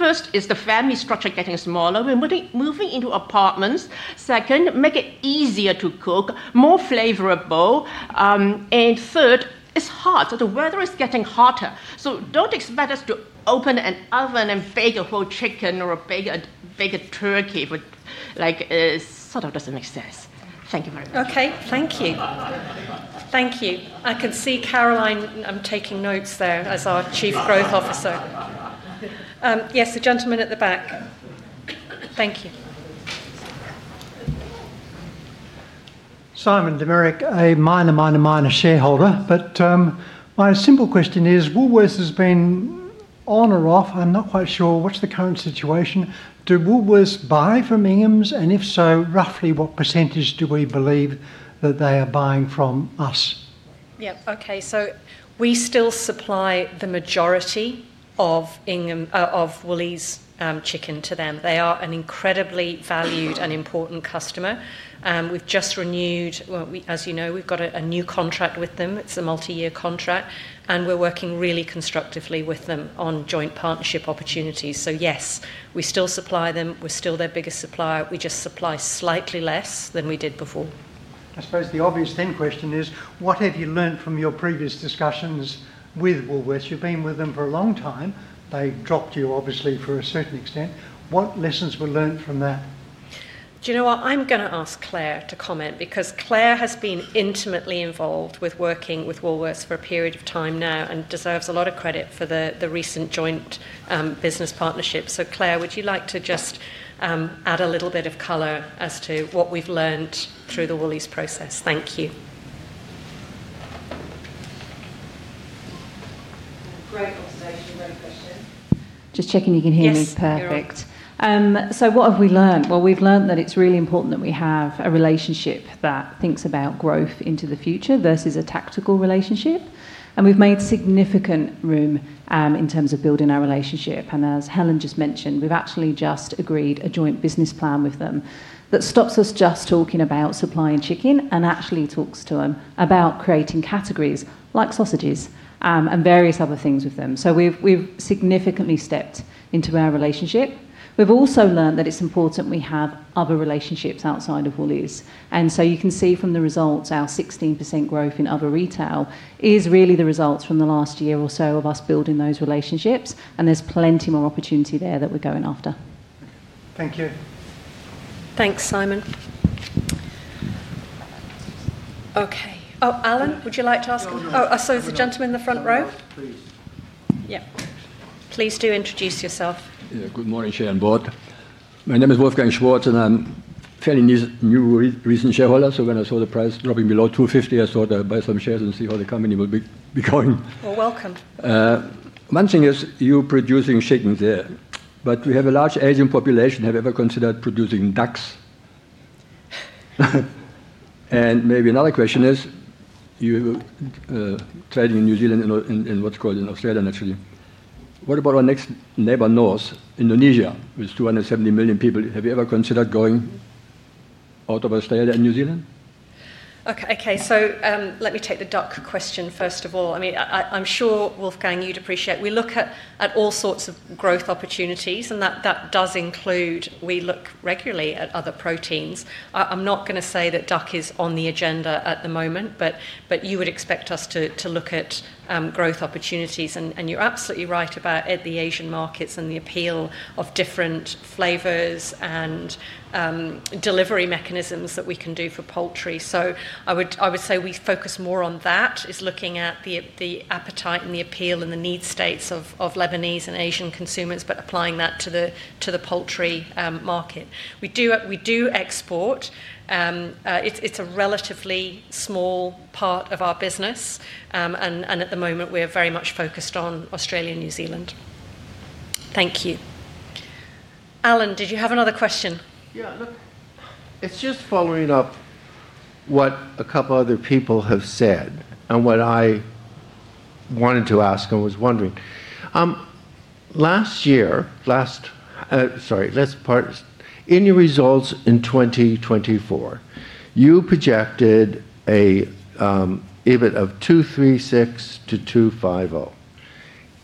First is the family structure getting smaller. We are moving into apartments. Second, make it easier to cook, more flavorful. Third, it is hot. The weather is getting hotter. Do not expect us to open an oven and bake a whole chicken or a bigger turkey. It sort of does not make sense. Thank you very much. Okay, thank you. Thank you. I can see Caroline. I'm taking notes there as our Chief Growth Officer. Yes, the gentleman at the back. Thank you. Simon, Demeric, a minor, minor, minor shareholder. But my simple question is, Woolworths has been on or off? I'm not quite sure. What's the current situation? Do Woolworths buy from Inghams? And if so, roughly what percentage do we believe that they are buying from us? Yep. Okay. We still supply the majority of Woolworths chicken to them. They are an incredibly valued and important customer. We have just renewed, as you know, we have got a new contract with them. It is a multi-year contract. We are working really constructively with them on joint partnership opportunities. Yes, we still supply them. We are still their biggest supplier. We just supply slightly less than we did before. I suppose the obvious then question is, what have you learned from your previous discussions with Woolworths? You've been with them for a long time. They dropped you, obviously, for a certain extent. What lessons were learned from that? Do you know what? I'm going to ask Clare to comment because Clare has been intimately involved with working with Woolworths for a period of time now and deserves a lot of credit for the recent joint business partnership. So Clare, would you like to just add a little bit of color as to what we've learned through the Woolworths process? Thank you. Great observation. Great question. Just checking you can hear me. Perfect. What have we learned? We have learned that it's really important that we have a relationship that thinks about growth into the future versus a tactical relationship. We have made significant room in terms of building our relationship. As Helen just mentioned, we have actually just agreed a joint business plan with them that stops us just talking about supplying chicken and actually talks to them about creating categories like sausages and various other things with them. We have significantly stepped into our relationship. We have also learned that it's important we have other relationships outside of Woolworths. You can see from the results, our 16% growth in other retail is really the result from the last year or so of us building those relationships. Th ere is plenty more opportunity there that we are going after. Thank you. Thanks, Simon. Okay. Oh, Alan, would you like to ask him? Oh, so it's the gentleman in the front row? Please. Yep. Please do introduce yourself. Yeah, good morning, Chair and Board. My name is Wolfgang Schwartz, and I'm a fairly new recent shareholder. So when I saw the price dropping below 2.50, I thought I'd buy some shares and see how the company will be going. Well, welcome. One thing is you're producing chickens there, but we have a large Asian population. Have you ever considered producing ducks? Maybe another question is, you're trading in New Zealand and what's called in Australia, naturally. What about our next neighbor, north, Indonesia, with 270 million people? Have you ever considered going out of Australia and New Zealand? Okay, okay. Let me take the duck question first of all. I mean, I'm sure, Wolfgang, you'd appreciate it. We look at all sorts of growth opportunities, and that does include we look regularly at other proteins. I'm not going to say that duck is on the agenda at the moment, but you would expect us to look at growth opportunities. You're absolutely right about the Asian markets and the appeal of different flavors and delivery mechanisms that we can do for poultry. I would say we focus more on that, looking at the appetite and the appeal and the need states of Lebanese and Asian consumers, but applying that to the poultry market. We do export. It's a relatively small part of our business. At the moment, we're very much focused on Australia and New Zealand. Thank you. Alan, did you have another question? Yeah, look, it's just following up what a couple of other people have said and what I wanted to ask and was wondering. Last year, sorry, let's part in your results in 2024, you projected an EBIT of 236-250.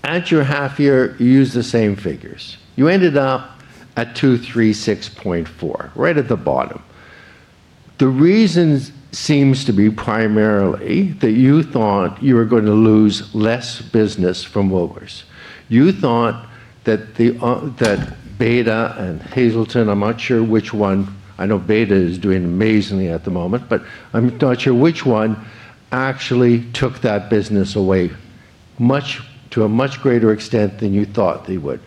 At your half year, you used the same figures. You ended up at 236.4, right at the bottom. The reason seems to be primarily that you thought you were going to lose less business from Woolworths. You thought that Baiada and Hazeldene's, I'm not sure which one, I know Baiada is doing amazingly at the moment, but I'm not sure which one actually took that business away to a much greater extent than you thought they would.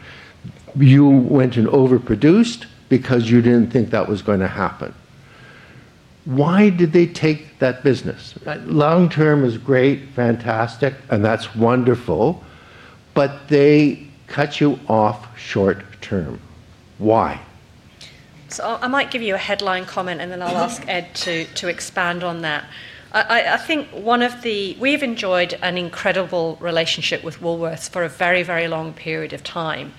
You went and overproduced because you didn't think that was going to happen. Why did they take that business? Long term is great, fantastic, and that's wonderful, but they cut you off short term. Why? I might give you a headline comment, and then I'll ask Ed to expand on that. I think we've enjoyed an incredible relationship with Woolworths for a very, very long period of time.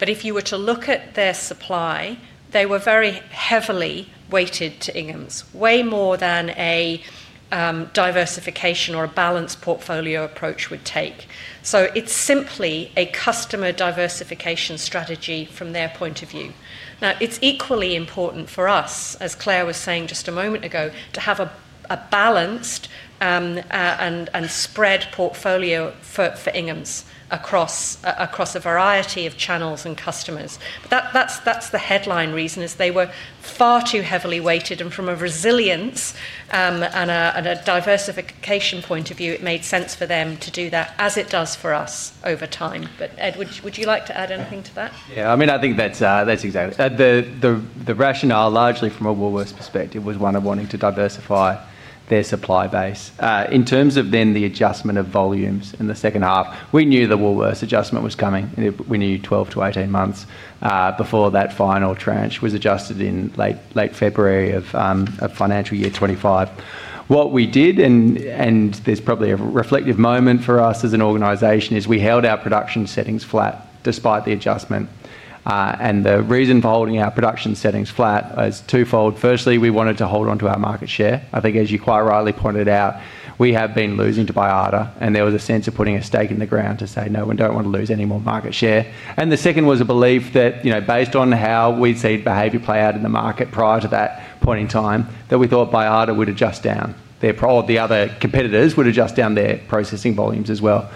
If you were to look at their supply, they were very heavily weighted to Inghams, way more than a diversification or a balanced portfolio approach would take. It is simply a customer diversification strategy from their point of view. Now, it is equally important for us, as Clare was saying just a moment ago, to have a balanced and spread portfolio for Inghams across a variety of channels and customers. That is the headline reason, they were far too heavily weighted. From a resilience and a diversification point of view, it made sense for them to do that as it does for us over time. Ed, would you like to add anything to that? Yeah, I mean, I think that's exactly the rationale, largely from a Woolworths perspective, was one of wanting to diversify their supply base. In terms of then the adjustment of volumes in the second half, we knew the Woolworths adjustment was coming. We knew 12 to 18 months before that final tranche was adjusted in late February of financial year 2025. What we did, and there's probably a reflective moment for us as an organization, is we held our production settings flat despite the adjustment. The reason for holding our production settings flat is twofold. Firstly, we wanted to hold onto our market share. I think, as you quite rightly pointed out, we have been losing to Baiada, and there was a sense of putting a stake in the ground to say, "No, we don't want to lose any more market share." The second was a belief that, based on how we'd seen behavior play out in the market prior to that point in time, we thought Baiada would adjust down. The other competitors would adjust down their processing volumes as well.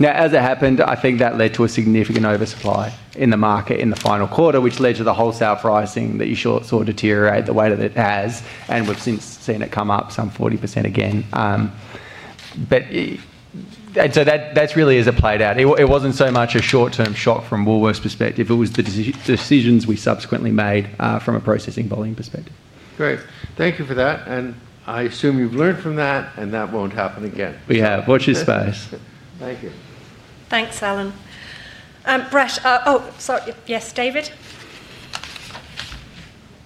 Now, as it happened, I think that led to a significant oversupply in the market in the final quarter, which led to the wholesale pricing that you saw deteriorate the way that it has. We've since seen it come up some 40% again. That is really as it played out. It wasn't so much a short-term shock from Woolworths' perspective. It was the decisions we subsequently made from a processing volume perspective. Great. Thank you for that. I assume you've learned from that, and that won't happen again. We have. Watch this space. Thank you. Thanks, Alan. Brett—oh, sorry. Yes, David?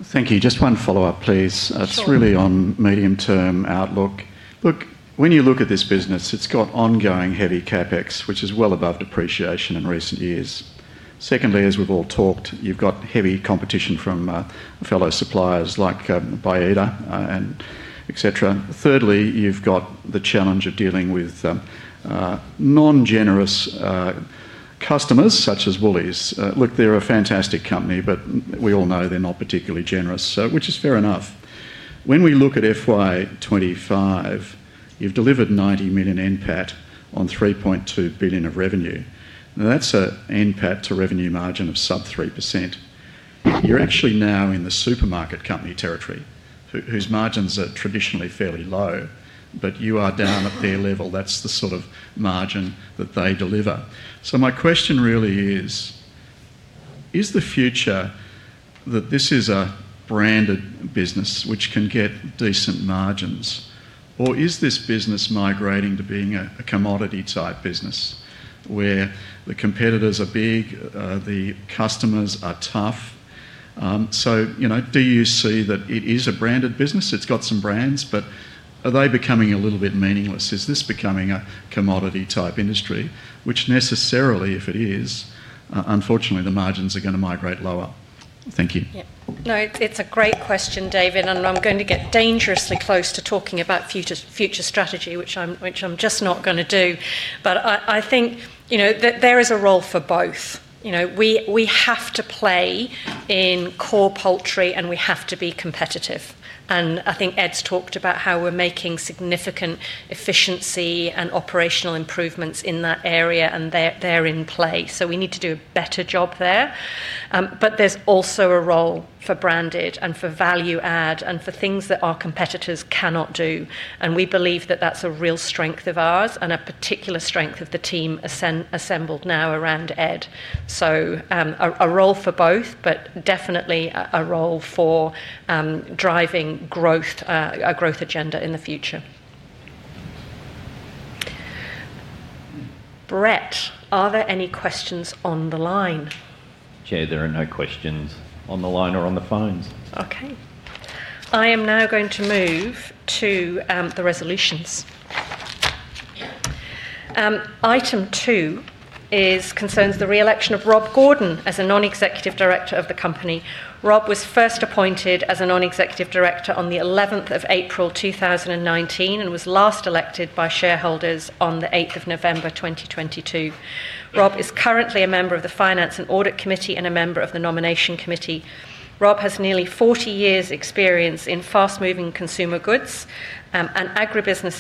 Thank you. Just one follow-up, please. It's really on medium-term outlook. Look, when you look at this business, it's got ongoing heavy CapEx, which is well above depreciation in recent years. Secondly, as we've all talked, you've got heavy competition from fellow suppliers like Baiada, etc. Thirdly, you've got the challenge of dealing with non-generous customers such as Woolworths. Look, they're a fantastic company, but we all know they're not particularly generous, which is fair enough. When we look at FY2025, you've delivered 90 million NPAT on 3.2 billion of revenue. That's an NPAT to revenue margin of sub 3%. You're actually now in the supermarket company territory, whose margins are traditionally fairly low, but you are down at their level. That's the sort of margin that they deliver. My question really is, is the future that this is a branded business which can get decent margins, or is this business migrating to being a commodity-type business where the competitors are big, the customers are tough? Do you see that it is a branded business? It's got some brands, but are they becoming a little bit meaningless? Is this becoming a commodity-type industry, which necessarily, if it is, unfortunately, the margins are going to migrate lower? Thank you. Yep. No, it's a great question, David. I'm going to get dangerously close to talking about future strategy, which I'm just not going to do. I think there is a role for both. We have to play in core poultry, and we have to be competitive. I think Ed's talked about how we're making significant efficiency and operational improvements in that area, and they're in play. We need to do a better job there. There's also a role for branded and for value-add and for things that our competitors cannot do. We believe that that's a real strength of ours and a particular strength of the team assembled now around Ed. A role for both, but definitely a role for driving a growth agenda in the future. Brett, are there any questions on the line? Jay, there are no questions on the line or on the phones. Okay. I am now going to move to the resolutions. Item two concerns the re-election of Rob Gordon as a Non-Executive Director of the company. Rob was first appointed as a Non-Executive Director on the 11th of April, 2019, and was last elected by shareholders on the 8th of November, 2022. Rob is currently a member of the Finance and Audit Committee and a member of the Nomination Committee. Rob has nearly 40 years' experience in fast-moving consumer goods and agribusiness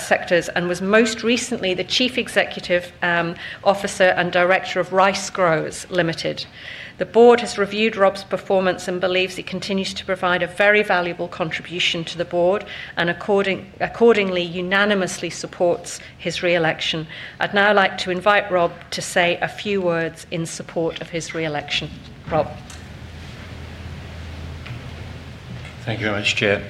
sectors and was most recently the Chief Executive Officer and Director of Rice Growers Limited. The board has reviewed Rob's performance and believes he continues to provide a very valuable contribution to the board and accordingly unanimously supports his re-election. I'd now like to invite Rob to say a few words in support of his re-election. Rob. Thank you very much, Chair.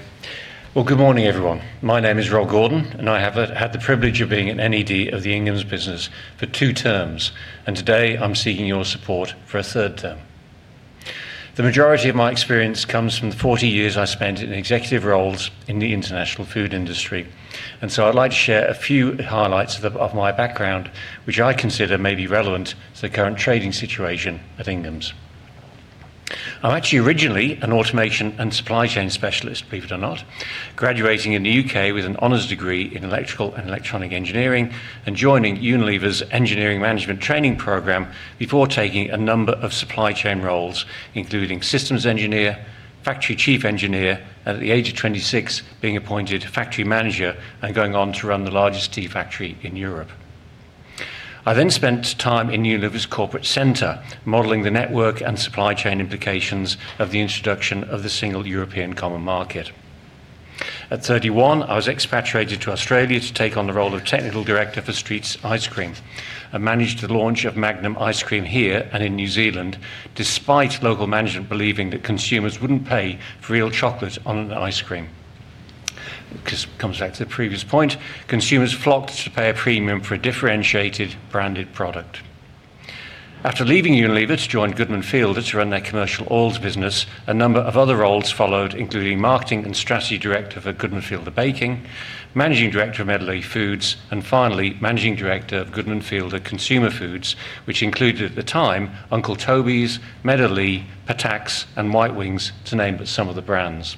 Good morning, everyone. My name is Rob Gordon, and I have had the privilege of being an NED of the Inghams business for two terms. Today, I'm seeking your support for a third term. The majority of my experience comes from the 40 years I spent in executive roles in the international food industry. I would like to share a few highlights of my background, which I consider may be relevant to the current trading situation at Inghams. I'm actually originally an automation and supply chain specialist, believe it or not, graduating in the U.K. with an honors degree in electrical and electronic engineering and joining Unilever's engineering management training program before taking a number of supply chain roles, including systems engineer, factory chief engineer, and at the age of 26, being appointed factory manager and going on to run the largest tea factory in Europe. I then spent time in Unilever's corporate center, modeling the network and supply chain implications of the introduction of the single European common market. At 31, I was expatriated to Australia to take on the role of Technical Director for Streets Ice Cream and managed the launch of Magnum Ice Cream here and in New Zealand, despite local management believing that consumers wouldn't pay for real chocolate on an ice cream. This comes back to the previous point. Consumers flocked to pay a premium for a differentiated branded product. After leaving Unilever to join Goodman Fielder to run their commercial oils business, a number of other roles followed, including Marketing and Strategy Director for Goodman Fielder Baking, Managing Director of Medalee Foods, and finally, Managing Director of Goodman Fielder Consumer Foods, which included at the time Uncle Toby's, Medalee, Patak's, and White Wings, to name but some of the brands.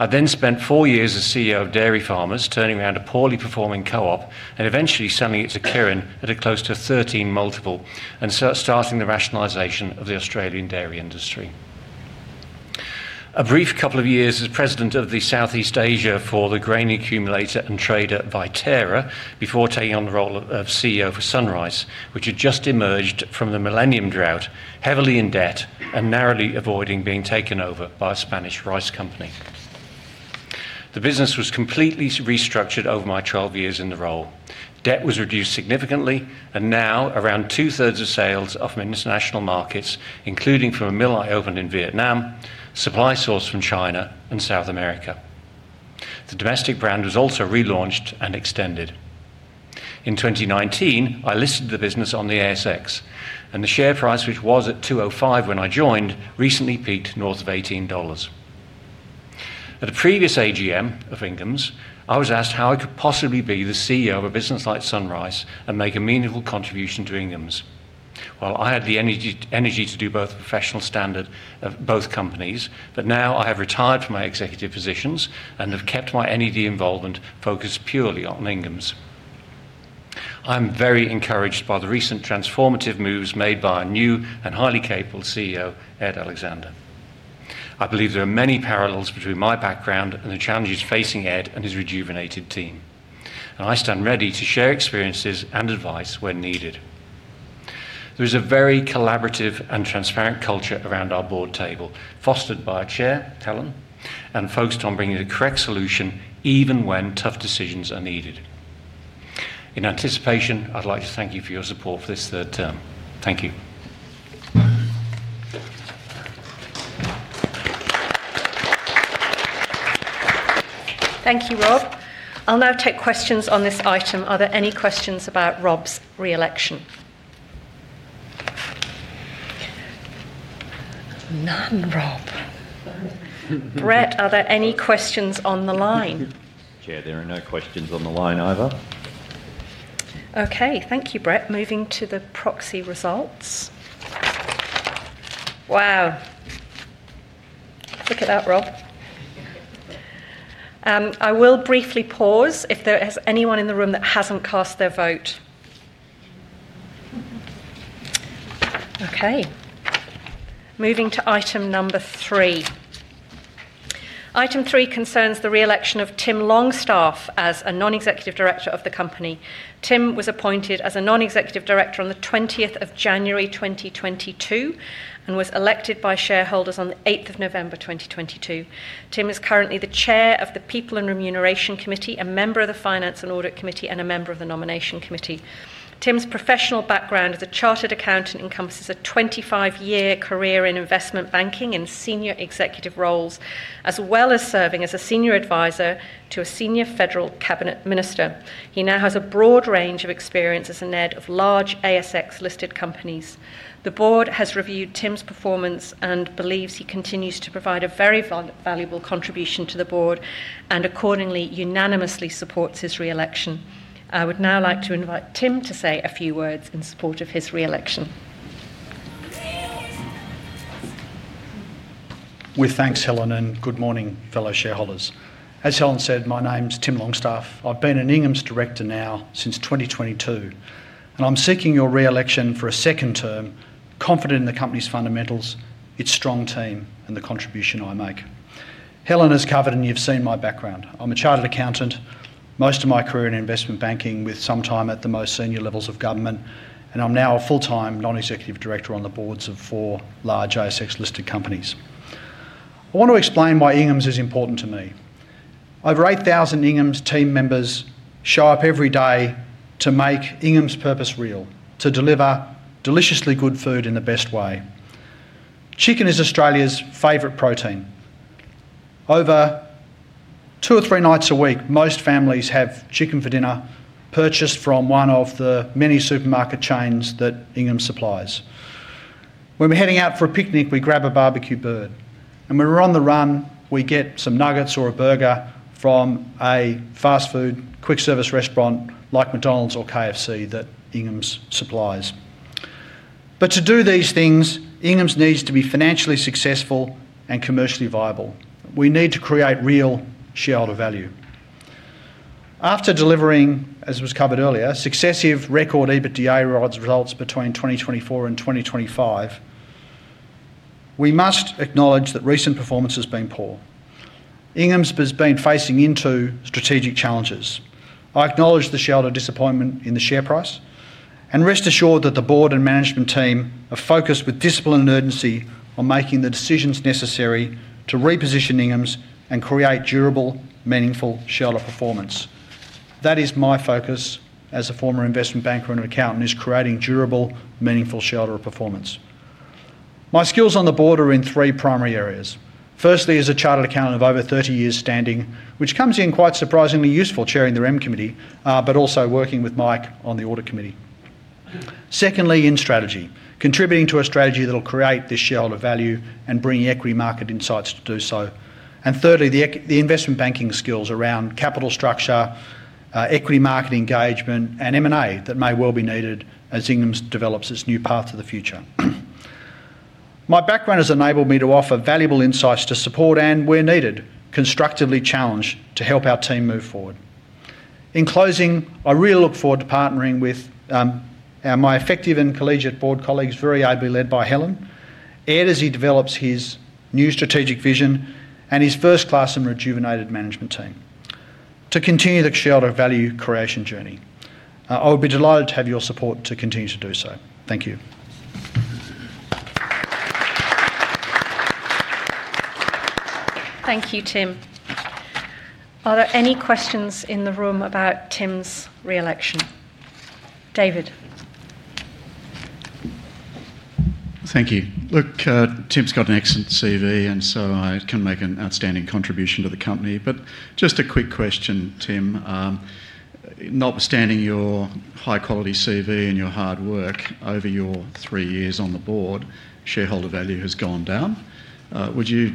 I then spent four years as CEO of Dairy Farmers, turning around a poorly performing co-op and eventually selling it to Kirin at a close to 13 multiple, and starting the rationalization of the Australian dairy industry. A brief couple of years as president of Southeast Asia for the grain accumulator and trader Viterra, before taking on the role of CEO for Sunrise, which had just emerged from the millennium drought, heavily in debt and narrowly avoiding being taken over by a Spanish rice company. The business was completely restructured over my 12 years in the role. Debt was reduced significantly, and now around two-thirds of sales are from international markets, including from a mill I opened in Vietnam, supply sourced from China and South America. The domestic brand was also relaunched and extended. In 2019, I listed the business on the ASX, and the share price, which was at 2.05 when I joined, recently peaked north of 18 dollars. At a previous AGM of Inghams, I was asked how I could possibly be the CEO of a business like Sunrise and make a meaningful contribution to Inghams. I had the energy to do both professional standards of both companies, but now I have retired from my executive positions and have kept my NED involvement focused purely on Inghams. I'm very encouraged by the recent transformative moves made by a new and highly capable CEO, Ed Alexander. I believe there are many parallels between my background and the challenges facing Ed and his rejuvenated team. I stand ready to share experiences and advice when needed. There is a very collaborative and transparent culture around our board table, fostered by our Chair, Helen, and focused on bringing the correct solution even when tough decisions are needed. In anticipation, I'd like to thank you for your support for this third term. Thank you. Thank you, Rob. I'll now take questions on this item. Are there any questions about Rob's re-election? None, Rob. Brett, are there any questions on the line? Chair, there are no questions on the line either. Okay. Thank you, Brett. Moving to the proxy results. Wow. Look at that, Rob. I will briefly pause if there is anyone in the room that hasn't cast their vote. Okay. Moving to item number three. Item three concerns the re-election of Tim Longstaff as a Non-Executive Director of the company. Tim was appointed as a Non-Executive Director on the 20th of January, 2022, and was elected by shareholders on the 8th of November, 2022. Tim is currently the Chair of the People and Remuneration Committee, a member of the Finance and Audit Committee, and a member of the Nomination Committee. Tim's professional background as a chartered accountant encompasses a 25-year career in investment banking and senior executive roles, as well as serving as a senior advisor to a senior federal cabinet minister. He now has a broad range of experience as an NED of large ASX-listed companies. The board has reviewed Tim's performance and believes he continues to provide a very valuable contribution to the board and accordingly unanimously supports his re-election. I would now like to invite Tim to say a few words in support of his re-election. With thanks, Helen, and good morning, fellow shareholders. As Helen said, my name's Tim Longstaff. I've been an Inghams director now since 2022, and I'm seeking your re-election for a second term, confident in the company's fundamentals, its strong team, and the contribution I make. Helen has covered, and you've seen my background. I'm a chartered accountant, most of my career in investment banking, with some time at the most senior levels of government, and I'm now a full-time non-executive director on the boards of four large ASX-listed companies. I want to explain why Inghams is important to me. Over 8,000 Inghams team members show up every day to make Inghams' purpose real, to deliver deliciously good food in the best way. Chicken is Australia's favorite protein. Over two or three nights a week, most families have chicken for dinner purchased from one of the many supermarket chains that Inghams supplies. When we're heading out for a picnic, we grab a barbecue bird. When we're on the run, we get some nuggets or a burger from a fast food, quick-service restaurant like McDonald's or KFC that Inghams supplies. To do these things, Inghams needs to be financially successful and commercially viable. We need to create real shareholder value. After delivering, as was covered earlier, successive record EBITDA results between 2024 and 2025, we must acknowledge that recent performance has been poor. Inghams has been facing into strategic challenges. I acknowledge the shareholder disappointment in the share price and rest assured that the board and management team are focused with discipline and urgency on making the decisions necessary to reposition Inghams and create durable, meaningful shareholder performance. That is my focus as a former investment banker and accountant, is creating durable, meaningful shareholder performance. My skills on the board are in three primary areas. Firstly, as a chartered accountant of over 30 years' standing, which comes in quite surprisingly useful chairing the Rem Committee, but also working with Mike on the Audit Committee. Secondly, in strategy, contributing to a strategy that will create this shareholder value and bring equity market insights to do so. Thirdly, the investment banking skills around capital structure, equity market engagement, and M&A that may well be needed as Inghams develops its new path to the future. My background has enabled me to offer valuable insights to support and, where needed, constructively challenge to help our team move forward. In closing, I really look forward to partnering with my effective and collegiate Board colleagues, very ably led by Helen, Ed as he develops his new strategic vision, and his first-class and rejuvenated management team to continue the shareholder value creation journey. I would be delighted to have your support to continue to do so. Thank you. Thank you, Tim. Are there any questions in the room about Tim's re-election? David. Thank you. Look, Tim's got an excellent CV, and so I can make an outstanding contribution to the company. Just a quick question, Tim. Notwithstanding your high-quality CV and your hard work over your three years on the board, shareholder value has gone down. Would you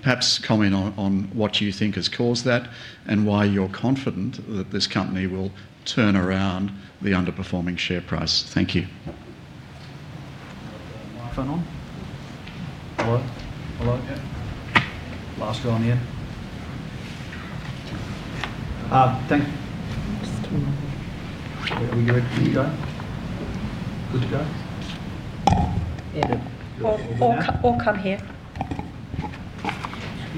perhaps comment on what you think has caused that and why you're confident that this company will turn around the underperforming share price? Thank you. Microphone on? Hello? Hello? Yeah? Last guy on the end. Thank you. Are we good? Good to go? Good to go? All come here.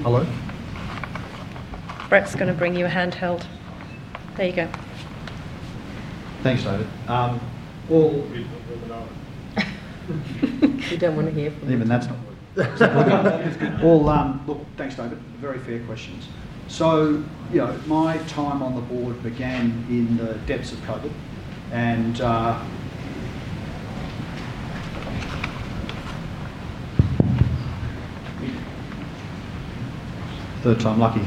Hello? Brett's going to bring you a handheld. There you go. Thanks, David. All. You don't want to hear from him. Even that's not working. Look, thanks, David. Very fair questions. My time on the board began in the depths of COVID, and third time, lucky.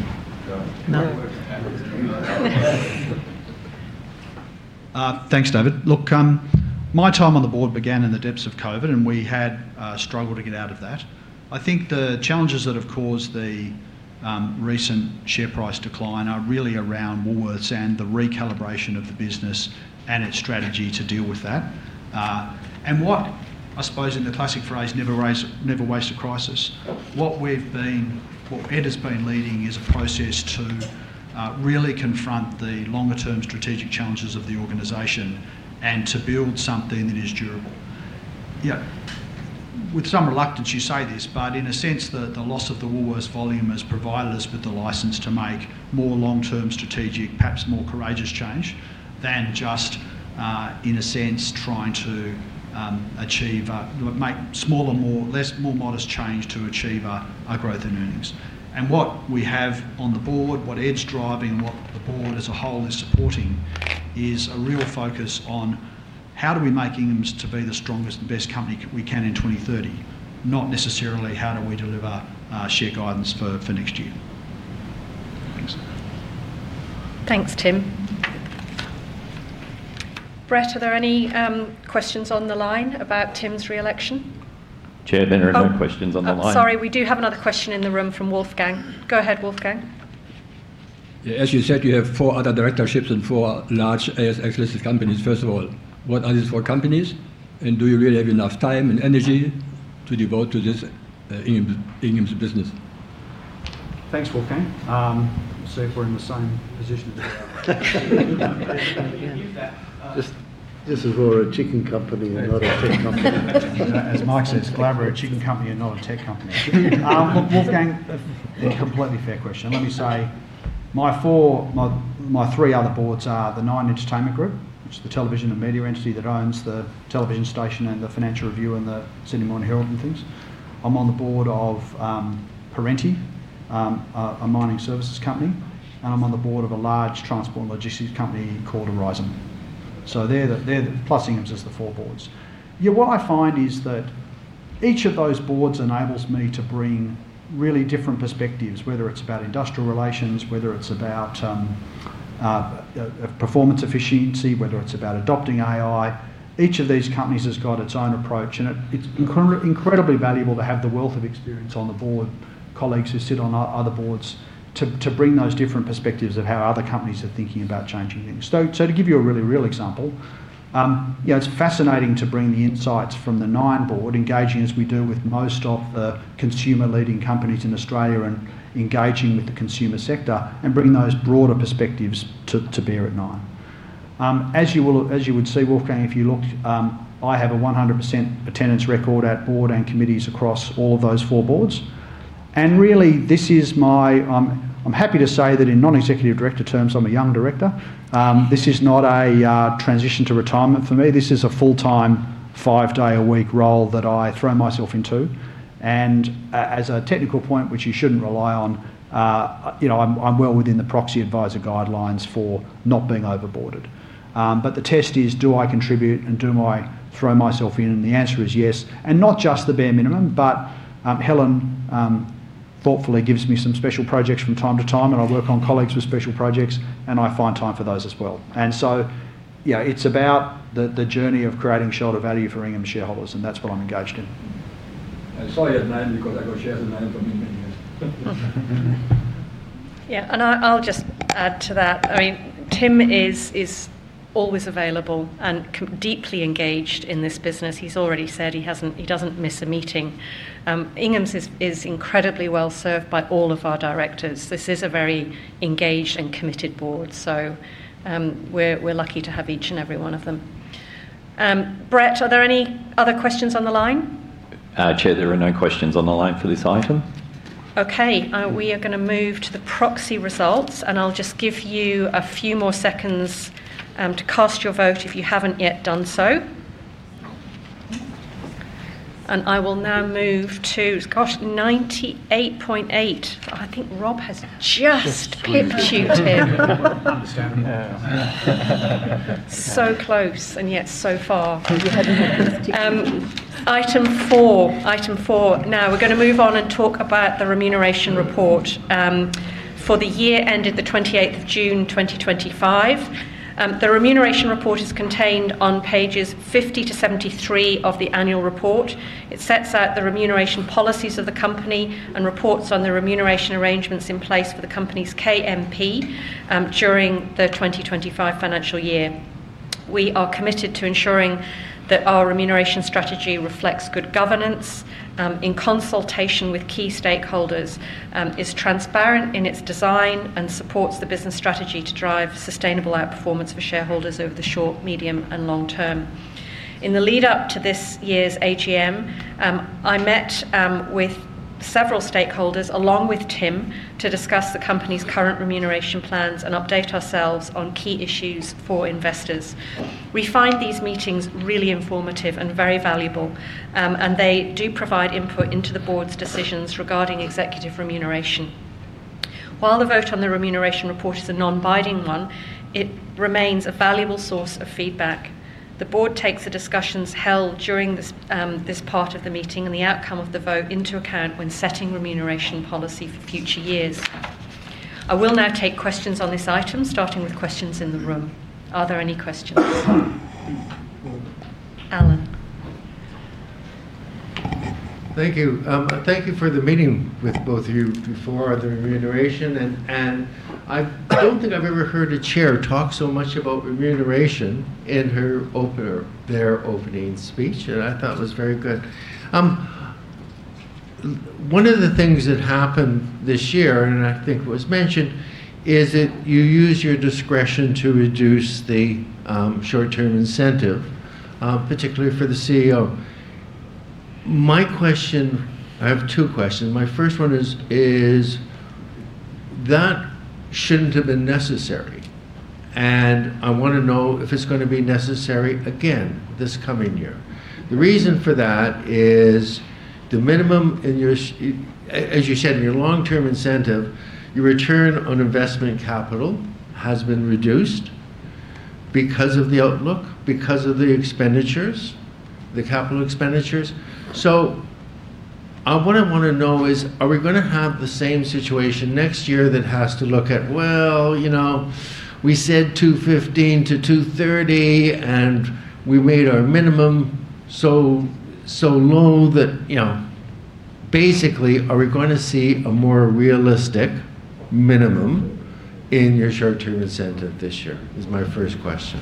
Thanks, David. My time on the board began in the depths of COVID, and we had struggled to get out of that. I think the challenges that have caused the recent share price decline are really around Woolworths and the recalibration of the business and its strategy to deal with that. What I suppose in the classic phrase, never waste a crisis. What Ed has been leading is a process to really confront the longer-term strategic challenges of the organization and to build something that is durable. Yeah. With some reluctance, you say this, but in a sense, the loss of the Woolworths volume has provided us with the license to make more long-term strategic, perhaps more courageous change than just, in a sense, trying to achieve a smaller, more modest change to achieve a growth in earnings. What we have on the board, what Ed's driving, and what the board as a whole is supporting is a real focus on how do we make Inghams to be the strongest and best company we can in 2030, not necessarily how do we deliver share guidance for next year. Thanks. Thanks, Tim. Brett, are there any questions on the line about Tim's re-election? Chair, there are no questions on the line. Oh, sorry. We do have another question in the room from Wolfgang. Go ahead, Wolfgang. Yeah. As you said, you have four other directorships in four large ASX-listed companies. First of all, what are these four companies? Do you really have enough time and energy to devote to this Inghams business? Thanks, Wolfgang. See if we're in the same position as everyone. This is more a chicken company and not a tech company. As Mike says, Glabber, a chicken company and not a tech company. Wolfgang, a completely fair question. Let me say my three other boards are the Nine Entertainment Group, which is the television and media entity that owns the television station and the Financial Review and the Sydney Morning Herald and things. I'm on the board of Parenti, a mining services company. And I'm on the board of a large transport and logistics company called Aurizon. So they're the plus Inghams is the four boards. Yeah, what I find is that each of those boards enables me to bring really different perspectives, whether it's about industrial relations, whether it's about performance efficiency, whether it's about adopting AI. Each of these companies has got its own approach, and it's incredibly valuable to have the wealth of experience on the board, colleagues who sit on other boards, to bring those different perspectives of how other companies are thinking about changing things. To give you a really real example, it's fascinating to bring the insights from the Nine board, engaging as we do with most of the consumer-leading companies in Australia and engaging with the consumer sector, and bring those broader perspectives to bear at Nine. As you would see, Wolfgang, if you look, I have a 100% attendance record at board and committees across all of those four boards. Really, this is my—I'm happy to say that in non-executive director terms, I'm a young director. This is not a transition to retirement for me. This is a full-time, five-day-a-week role that I throw myself into. As a technical point, which you should not rely on, I am well within the proxy advisor guidelines for not being overboarded. The test is, do I contribute and do I throw myself in? The answer is yes. Not just the bare minimum, but Helen thoughtfully gives me some special projects from time to time, and I work on colleagues with special projects, and I find time for those as well. It is about the journey of creating shareholder value for Inghams shareholders, and that is what I am engaged in. Sorry, I had a name because I got shares in my own for many, many years. Yeah. I'll just add to that. I mean, Tim is always available and deeply engaged in this business. He's already said he doesn't miss a meeting. Inghams is incredibly well served by all of our directors. This is a very engaged and committed board. We are lucky to have each and every one of them. Brett, are there any other questions on the line? Chair, there are no questions on the line for this item. Okay. We are going to move to the proxy results, and I'll just give you a few more seconds to cast your vote if you haven't yet done so. I will now move to—gosh, 98.8. I think Rob has just pinned you to. So close and yet so far. Item four. Item four. Now, we're going to move on and talk about the remuneration report. For the year ended the 28th of June, 2025. The remuneration report is contained on pages 50 to 73 of the annual report. It sets out the remuneration policies of the company and reports on the remuneration arrangements in place for the company's KMP during the 2025 financial year. We are committed to ensuring that our remuneration strategy reflects good governance in consultation with key stakeholders, is transparent in its design, and supports the business strategy to drive sustainable outperformance for shareholders over the short, medium, and long term. In the lead-up to this year's AGM, I met with several stakeholders along with Tim to discuss the company's current remuneration plans and update ourselves on key issues for investors. We find these meetings really informative and very valuable, and they do provide input into the board's decisions regarding executive remuneration. While the vote on the remuneration report is a non-binding one, it remains a valuable source of feedback. The board takes the discussions held during this part of the meeting and the outcome of the vote into account when setting remuneration policy for future years. I will now take questions on this item, starting with questions in the room. Are there any questions? Alan. Thank you. Thank you for the meeting with both of you before the remuneration. I don't think I've ever heard a Chair talk so much about remuneration in her opening speech, and I thought it was very good. One of the things that happened this year, and I think was mentioned, is that you use your discretion to reduce the short-term incentive, particularly for the CEO. My question—I have two questions. My first one is that shouldn't have been necessary. I want to know if it's going to be necessary again this coming year. The reason for that is the minimum in your—as you said, in your long-term incentive, your return on investment capital has been reduced because of the outlook, because of the expenditures, the capital expenditures. What I want to know is, are we going to have the same situation next year that has to look at, "Well, we said 215-230, and we made our minimum so low that basically, are we going to see a more realistic minimum in your short-term incentive this year?" is my first question.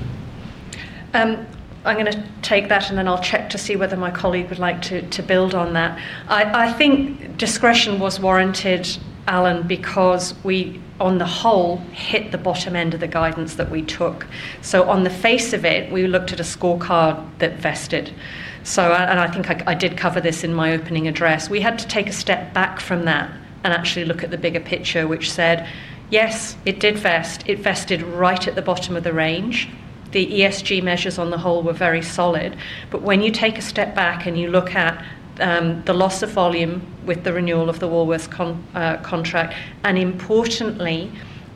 I'm going to take that, and then I'll check to see whether my colleague would like to build on that. I think discretion was warranted, Alan, because we, on the whole, hit the bottom end of the guidance that we took. On the face of it, we looked at a scorecard that vested. I think I did cover this in my opening address. We had to take a step back from that and actually look at the bigger picture, which said, "Yes, it did vest. It vested right at the bottom of the range. The ESG measures on the whole were very solid. When you take a step back and you look at the loss of volume with the renewal of the Woolworths contract, and importantly,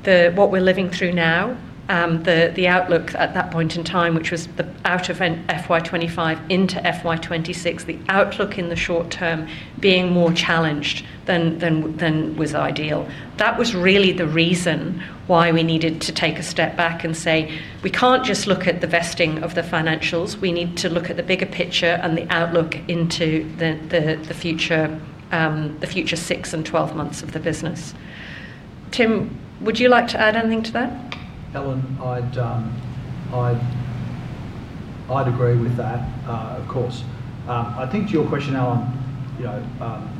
what we're living through now, the outlook at that point in time, which was out of FY25 into FY26, the outlook in the short term being more challenged than was ideal. That was really the reason why we needed to take a step back and say, "We can't just look at the vesting of the financials. We need to look at the bigger picture and the outlook into the future 6 and 12 months of the business." Tim, would you like to add anything to that? Helen, I'd agree with that, of course. I think to your question, Alan,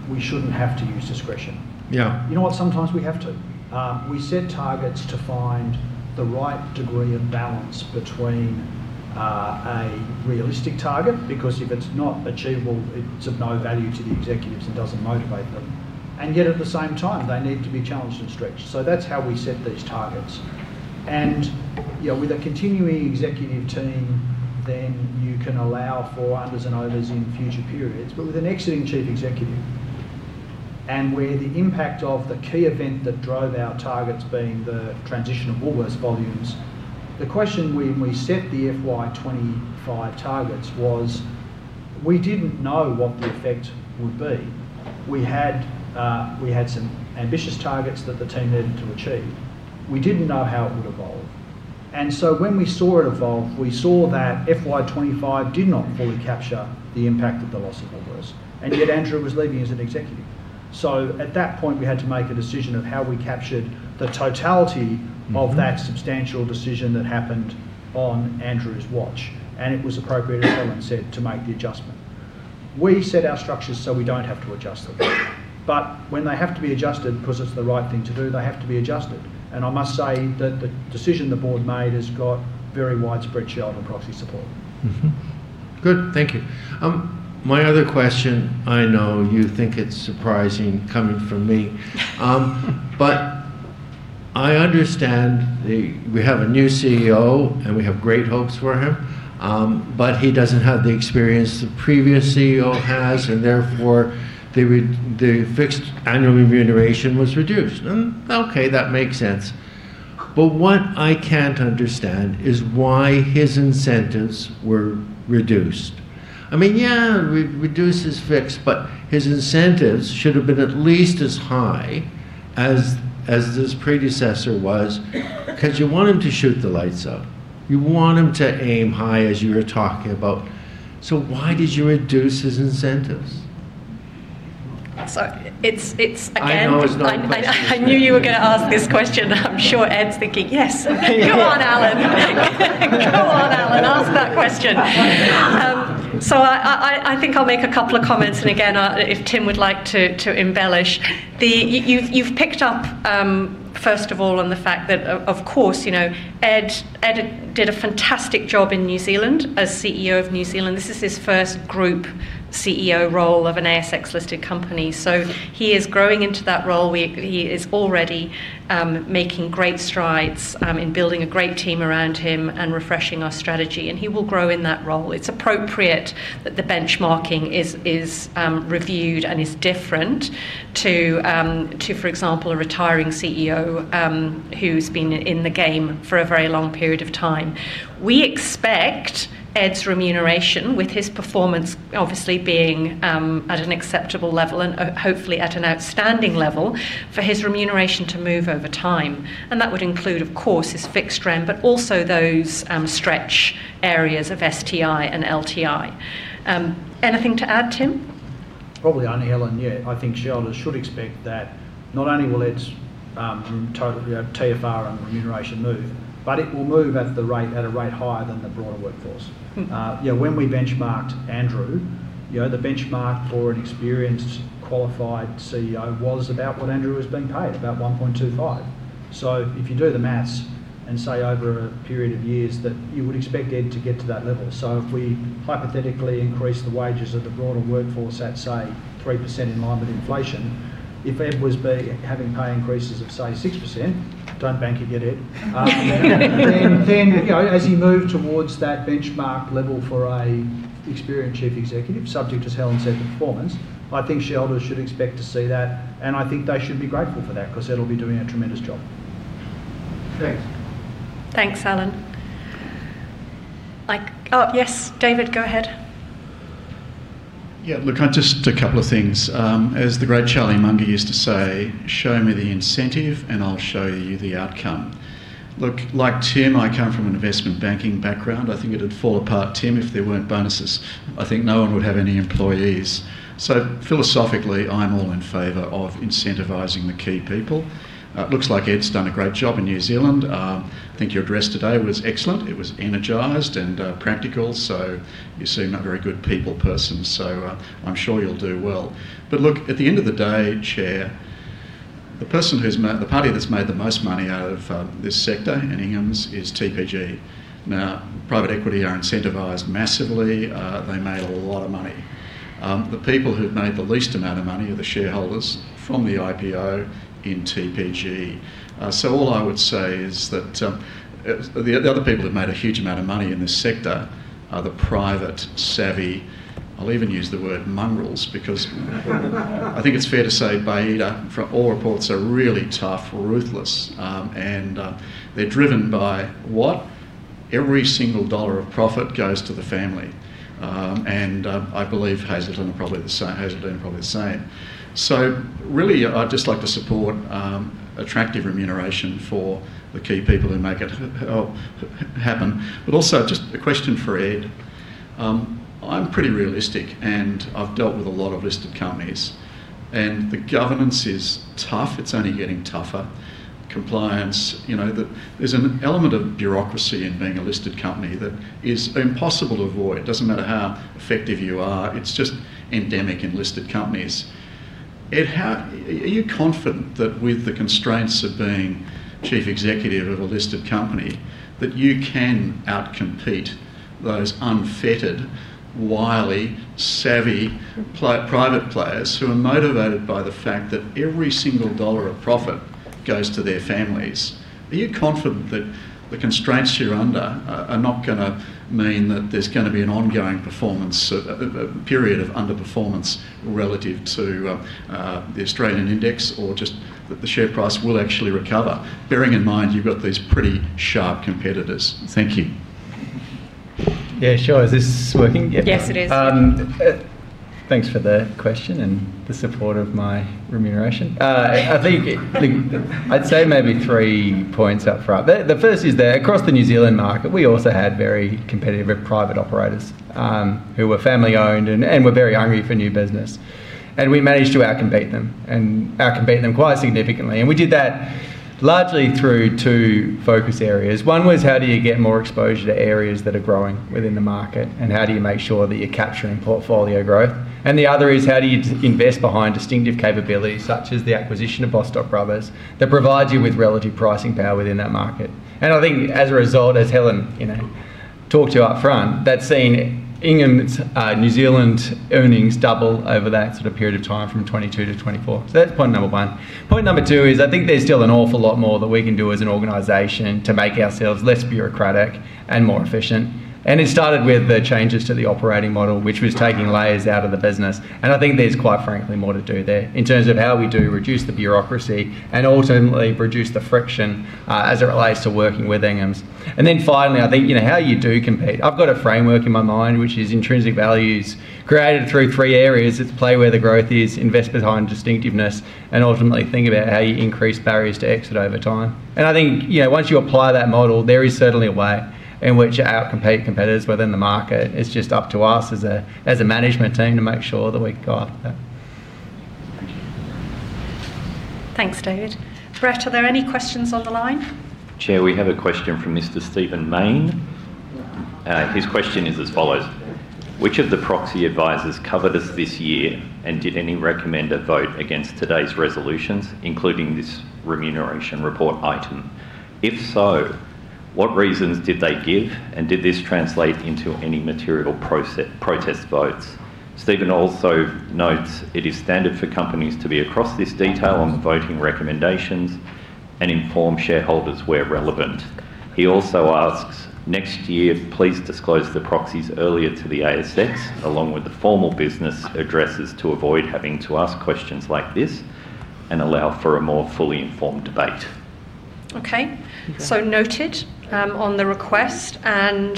we shouldn't have to use discretion. You know what? Sometimes we have to. We set targets to find the right degree of balance between a realistic target because if it's not achievable, it's of no value to the executives and doesn't motivate them. Yet at the same time, they need to be challenged and stretched. That is how we set these targets. With a continuing executive team, then you can allow for unders and overs in future periods. With an exiting Chief Executive and where the impact of the key event that drove our targets being the transition of Woolworths volumes, the question when we set the FY25 targets was we didn't know what the effect would be. We had some ambitious targets that the team needed to achieve. We did not know how it would evolve. When we saw it evolve, we saw that FY25 did not fully capture the impact of the loss of Woolworths. Yet Andrew was leaving as an executive. At that point, we had to make a decision of how we captured the totality of that substantial decision that happened on Andrew's watch. It was appropriate, as Helen said, to make the adjustment. We set our structures so we do not have to adjust them. When they have to be adjusted because it is the right thing to do, they have to be adjusted. I must say that the decision the board made has got very widespread shareholder proxy support. Good. Thank you. My other question, I know you think it's surprising coming from me. I understand we have a new CEO, and we have great hopes for him. He doesn't have the experience the previous CEO has, and therefore, the fixed annual remuneration was reduced. That makes sense. What I can't understand is why his incentives were reduced. I mean, yeah, reduce his fix, but his incentives should have been at least as high as his predecessor was because you want him to shoot the lights up. You want him to aim high, as you were talking about. Why did you reduce his incentives? It's, again. I knew you were going to ask this question. I'm sure Ed's thinking, "Yes." Go on, Alan. Go on, Alan. Ask that question. I think I'll make a couple of comments. If Tim would like to embellish. You've picked up, first of all, on the fact that, of course, Ed did a fantastic job in New Zealand as CEO of New Zealand. This is his first group CEO role of an ASX-listed company. He is growing into that role. He is already making great strides in building a great team around him and refreshing our strategy. He will grow in that role. It's appropriate that the benchmarking is reviewed and is different to, for example, a retiring CEO who's been in the game for a very long period of time. We expect Ed's remuneration, with his performance obviously being at an acceptable level and hopefully at an outstanding level, for his remuneration to move over time. That would include, of course, his fixed rent, but also those stretch areas of STI and LTI. Anything to add, Tim? Probably only Helen. Yeah, I think shareholders should expect that not only will Ed's TFR and remuneration move, but it will move at a rate higher than the broader workforce. When we benchmarked Andrew, the benchmark for an experienced, qualified CEO was about what Andrew was being paid, about 1.25 million. If you do the maths and say over a period of years that you would expect Ed to get to that level. If we hypothetically increase the wages of the broader workforce at, say, 3% in line with inflation, if Ed was having pay increases of, say, 6%, do not bank it yet, Ed. As he moved towards that benchmark level for an experienced chief executive, subject as Helen said, the performance, I think shareholders should expect to see that. I think they should be grateful for that because Ed will be doing a tremendous job. Thanks. Thanks, Alan. Oh, yes, David, go ahead. Yeah. Look, just a couple of things. As the great Charlie Munger used to say, "Show me the incentive and I'll show you the outcome." Look, like Tim, I come from an investment banking background. I think it would fall apart, Tim, if there were not bonuses. I think no one would have any employees. So philosophically, I'm all in favor of incentivizing the key people. It looks like Ed's done a great job in New Zealand. I think your address today was excellent. It was energized and practical. You seem like a very good people person. I'm sure you'll do well. At the end of the day, Chair, the party that's made the most money out of this sector in Inghams is TPG. Now, private equity are incentivized massively. They made a lot of money. The people who've made the least amount of money are the shareholders from the IPO in TPG. All I would say is that the other people who've made a huge amount of money in this sector are the private, savvy, I'll even use the word mongrels because I think it's fair to say, Baiada, all reports are really tough, ruthless. They're driven by what? Every single dollar of profit goes to the family. I believe Hazeldene's are probably the same. I just like to support attractive remuneration for the key people who make it happen. Also, just a question for Ed. I'm pretty realistic, and I've dealt with a lot of listed companies. The governance is tough. It's only getting tougher. Compliance, there's an element of bureaucracy in being a listed company that is impossible to avoid. It doesn't matter how effective you are. It's just endemic in listed companies. Ed, are you confident that with the constraints of being Chief Executive of a listed company, that you can outcompete those unfettered, wily, savvy private players who are motivated by the fact that every single dollar of profit goes to their families? Are you confident that the constraints you're under are not going to mean that there's going to be an ongoing period of underperformance relative to the Australian index or just that the share price will actually recover, bearing in mind you've got these pretty sharp competitors? Thank you. Yeah, sure. Is this working? Yes, it is. Thanks for the question and the support of my remuneration. I'd say maybe three points up front. The first is that across the New Zealand market, we also had very competitive private operators who were family-owned and were very hungry for new business. We managed to outcompete them and outcompete them quite significantly. We did that largely through two focus areas. One was how do you get more exposure to areas that are growing within the market, and how do you make sure that you're capturing portfolio growth? The other is how do you invest behind distinctive capabilities such as the acquisition of Bostock Brothers that provides you with relative pricing power within that market? I think as a result, as Helen talked to you up front, that's seen Inghams' New Zealand earnings double over that sort of period of time from 2022 to 2024. That's point number one. Point number two is I think there's still an awful lot more that we can do as an organization to make ourselves less bureaucratic and more efficient. It started with the changes to the operating model, which was taking layers out of the business. I think there's quite frankly more to do there in terms of how we do reduce the bureaucracy and ultimately reduce the friction as it relates to working with Inghams. Finally, I think how you do compete. I've got a framework in my mind, which is intrinsic value is created through three areas. It's play where the growth is, invest behind distinctiveness, and ultimately think about how you increase barriers to exit over time. I think once you apply that model, there is certainly a way in which you outcompete competitors within the market. It's just up to us as a management team to make sure that we go after that. Thank you. Thanks, David. Brett, are there any questions on the line? Chair, we have a question from Mr. Stephen Maine. His question is as follows. Which of the proxy advisors covered us this year and did any recommender vote against today's resolutions, including this remuneration report item? If so, what reasons did they give, and did this translate into any material protest votes? Stephen also notes it is standard for companies to be across this detail on the voting recommendations and inform shareholders where relevant. He also asks, "Next year, please disclose the proxies earlier to the ASX along with the formal business addresses to avoid having to ask questions like this and allow for a more fully informed debate. Okay. Noted on the request. Tim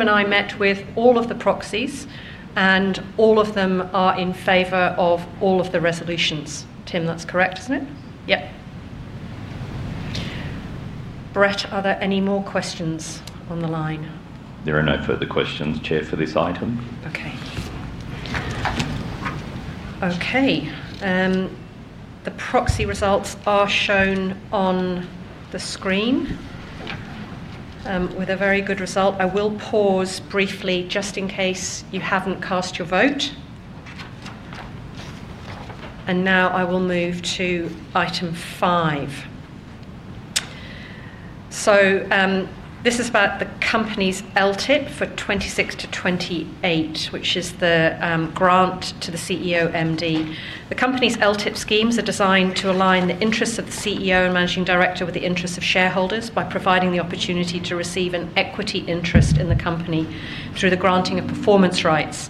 and I met with all of the proxies, and all of them are in favor of all of the resolutions. Tim, that's correct, isn't it? Yep. Brett, are there any more questions on the line? There are no further questions, Chair, for this item. Okay. Okay. The proxy results are shown on the screen with a very good result. I will pause briefly just in case you haven't cast your vote. I will now move to item five. This is about the company's LTIP for 2026 to 2028, which is the grant to the CEO MD. The company's LTIP schemes are designed to align the interests of the CEO and Managing Director with the interests of shareholders by providing the opportunity to receive an equity interest in the company through the granting of performance rights.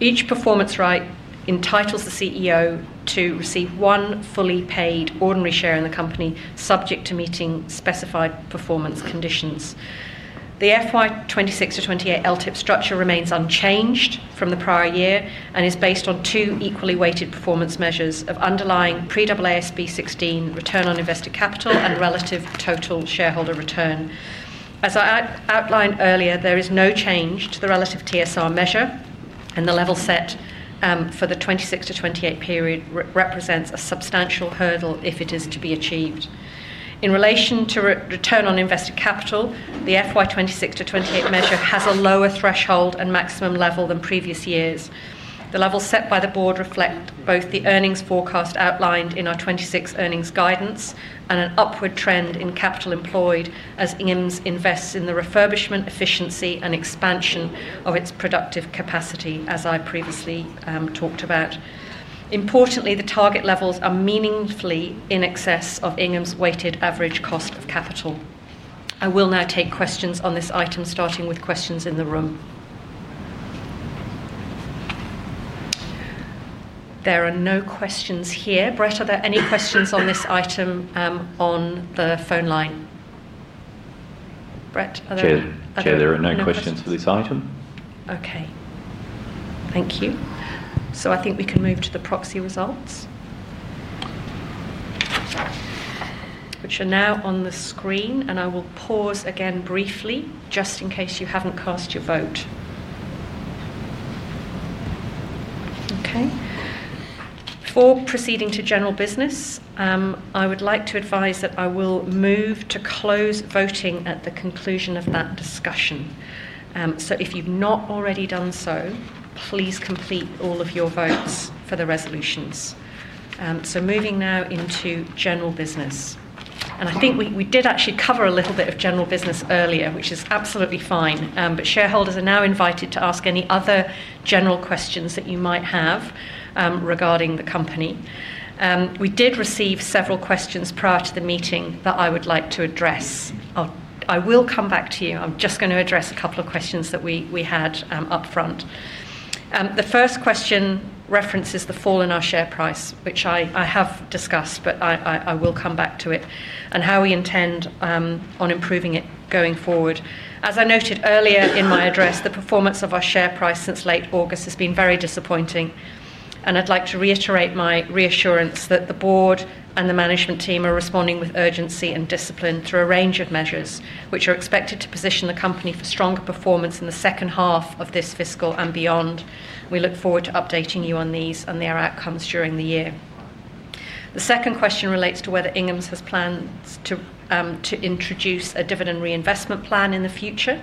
Each performance right entitles the CEO to receive one fully paid ordinary share in the company subject to meeting specified performance conditions. The FY26 to 2028 LTIP structure remains unchanged from the prior year and is based on two equally weighted performance measures of underlying pre-ASB 16 return on invested capital and relative total shareholder return. As I outlined earlier, there is no change to the relative TSR measure, and the level set for the 2026 to 2028 period represents a substantial hurdle if it is to be achieved. In relation to return on invested capital, the FY2026 to 2028 measure has a lower threshold and maximum level than previous years. The levels set by the board reflect both the earnings forecast outlined in our 2026 earnings guidance and an upward trend in capital employed as Inghams invests in the refurbishment, efficiency, and expansion of its productive capacity, as I previously talked about. Importantly, the target levels are meaningfully in excess of Inghams' weighted average cost of capital. I will now take questions on this item, starting with questions in the room. There are no questions here. Brett, are there any questions on this item on the phone line? Brett, are there any? Chair, there are no questions for this item. Okay. Thank you. I think we can move to the proxy results, which are now on the screen. I will pause again briefly just in case you have not cast your vote. Okay. Before proceeding to general business, I would like to advise that I will move to close voting at the conclusion of that discussion. If you have not already done so, please complete all of your votes for the resolutions. Moving now into general business. I think we did actually cover a little bit of general business earlier, which is absolutely fine. Shareholders are now invited to ask any other general questions that you might have regarding the company. We did receive several questions prior to the meeting that I would like to address. I will come back to you. I am just going to address a couple of questions that we had up front. The first question references the fall in our share price, which I have discussed, but I will come back to it, and how we intend on improving it going forward. As I noted earlier in my address, the performance of our share price since late August has been very disappointing. I would like to reiterate my reassurance that the board and the management team are responding with urgency and discipline through a range of measures which are expected to position the company for stronger performance in the second half of this fiscal and beyond. We look forward to updating you on these and their outcomes during the year. The second question relates to whether Inghams has plans to introduce a dividend reinvestment plan in the future.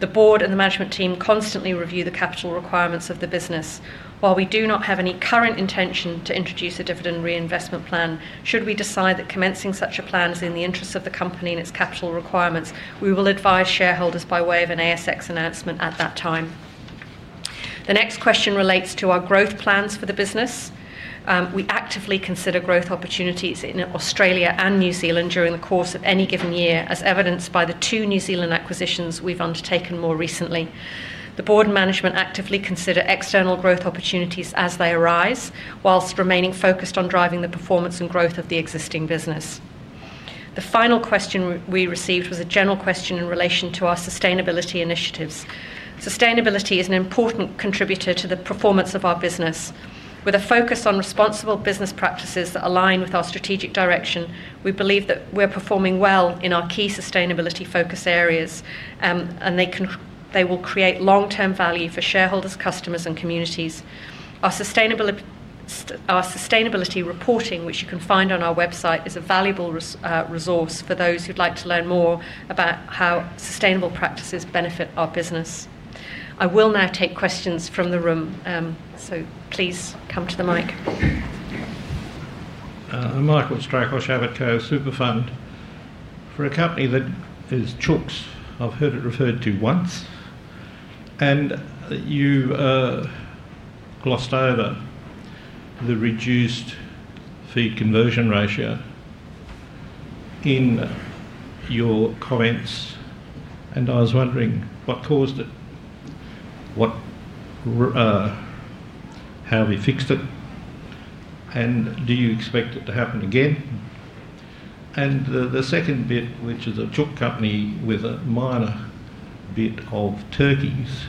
The board and the management team constantly review the capital requirements of the business. While we do not have any current intention to introduce a dividend reinvestment plan, should we decide that commencing such a plan is in the interest of the company and its capital requirements, we will advise shareholders by way of an ASX announcement at that time. The next question relates to our growth plans for the business. We actively consider growth opportunities in Australia and New Zealand during the course of any given year, as evidenced by the two New Zealand acquisitions we've undertaken more recently. The board and management actively consider external growth opportunities as they arise, whilst remaining focused on driving the performance and growth of the existing business. The final question we received was a general question in relation to our sustainability initiatives. Sustainability is an important contributor to the performance of our business. With a focus on responsible business practices that align with our strategic direction, we believe that we're performing well in our key sustainability focus areas, and they will create long-term value for shareholders, customers, and communities. Our sustainability reporting, which you can find on our website, is a valuable resource for those who'd like to learn more about how sustainable practices benefit our business. I will now take questions from the room. Please come to the mic. I'm Michael Strakosz, Abbott Cove Super Fund. For a company that is chicken, I've heard it referred to once, and you glossed over the reduced feed conversion ratio in your comments, and I was wondering what caused it, how we fixed it, and do you expect it to happen again? The second bit, which is a chicken company with a minor bit of turkeys,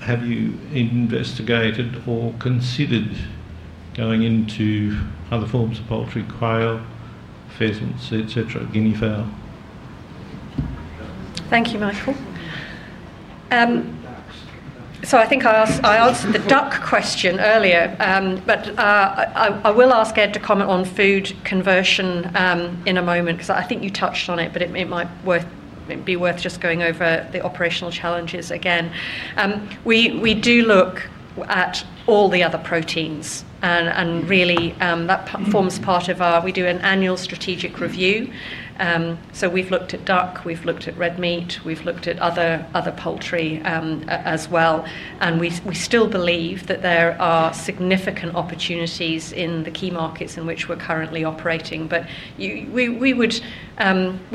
have you investigated or considered going into other forms of poultry, quail, pheasants, etc., guinea fowl? Thank you, Michael. I think I asked the duck question earlier, but I will ask Ed to comment on food conversion in a moment because I think you touched on it, but it might be worth just going over the operational challenges again. We do look at all the other proteins, and really, that forms part of our—we do an annual strategic review. We have looked at duck, we have looked at red meat, we have looked at other poultry as well. We still believe that there are significant opportunities in the key markets in which we are currently operating. We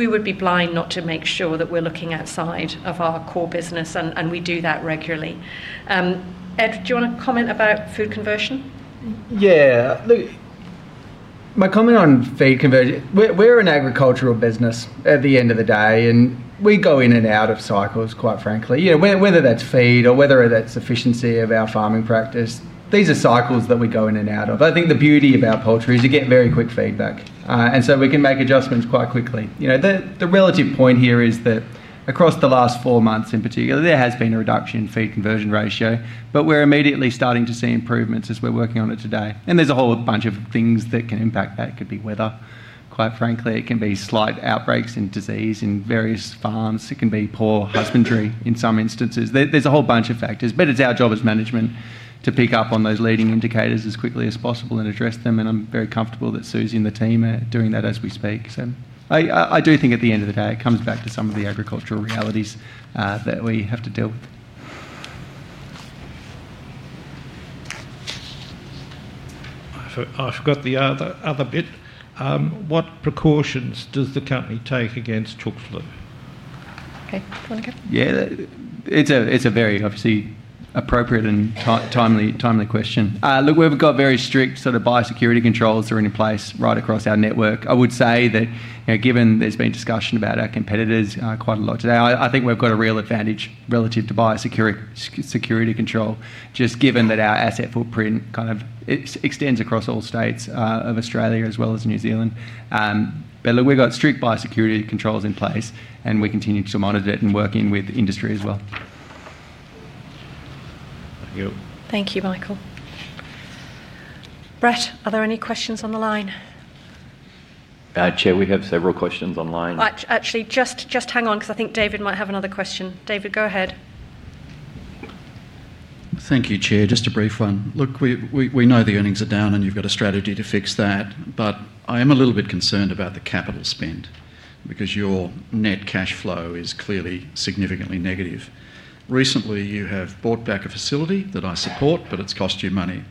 would be blind not to make sure that we are looking outside of our core business, and we do that regularly. Ed, do you want to comment about food conversion? Yeah. Look, my comment on feed conversion—we're an agricultural business at the end of the day, and we go in and out of cycles, quite frankly. Whether that's feed or whether that's efficiency of our farming practice, these are cycles that we go in and out of. I think the beauty about poultry is you get very quick feedback, and so we can make adjustments quite quickly. The relative point here is that across the last four months in particular, there has been a reduction in feed conversion ratio, but we're immediately starting to see improvements as we're working on it today. There is a whole bunch of things that can impact that. It could be weather, quite frankly. It can be slight outbreaks in disease in various farms. It can be poor husbandry in some instances. There's a whole bunch of factors, but it's our job as management to pick up on those leading indicators as quickly as possible and address them. I'm very comfortable that Susie and the team are doing that as we speak. I do think at the end of the day, it comes back to some of the agricultural realities that we have to deal with. I forgot the other bit. What precautions does the company take against avian flu? Okay. Do you want to go? Yeah. It's a very obviously appropriate and timely question. Look, we've got very strict sort of biosecurity controls that are in place right across our network. I would say that given there's been discussion about our competitors quite a lot today, I think we've got a real advantage relative to biosecurity control, just given that our asset footprint kind of extends across all states of Australia as well as New Zealand. Look, we've got strict biosecurity controls in place, and we continue to monitor it and work in with industry as well. Thank you. Thank you, Michael. Brett, are there any questions on the line? Chair, we have several questions online. Actually, just hang on because I think David might have another question. David, go ahead. Thank you, Chair. Just a brief one. Look, we know the earnings are down, and you've got a strategy to fix that. I am a little bit concerned about the capital spend because your net cash flow is clearly significantly negative. Recently, you have bought back a facility that I support, but it's cost you money.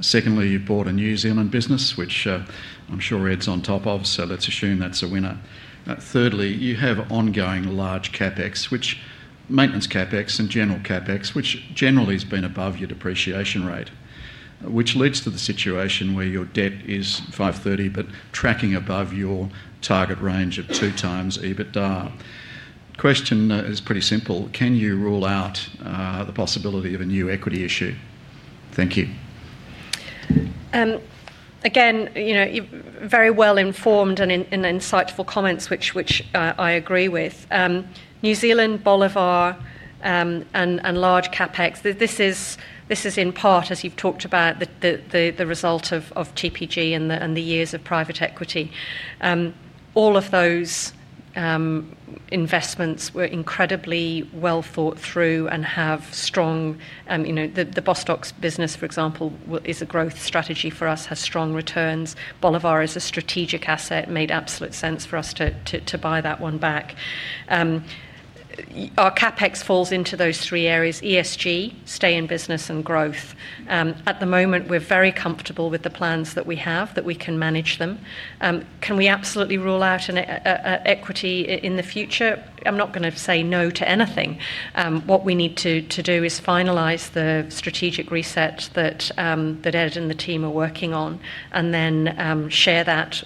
Secondly, you've bought a New Zealand business, which I'm sure Ed's on top of, so let's assume that's a winner. Thirdly, you have ongoing large CapEx, which maintenance CapEx and general CapEx, which generally has been above your depreciation rate, which leads to the situation where your debt is 530 but tracking above your target range of two times EBITDA. Question is pretty simple. Can you rule out the possibility of a new equity issue? Thank you. Again, very well-informed and insightful comments, which I agree with. New Zealand, Bolivar, and large CapEx, this is in part, as you've talked about, the result of TPG and the years of private equity. All of those investments were incredibly well thought through and have strong—the Bostock business, for example, is a growth strategy for us, has strong returns. Bolivar is a strategic asset. It made absolute sense for us to buy that one back. Our CapEx falls into those three areas: ESG, stay in business, and growth. At the moment, we're very comfortable with the plans that we have, that we can manage them. Can we absolutely rule out an equity in the future? I'm not going to say no to anything. What we need to do is finalize the strategic reset that Ed and the team are working on and then share that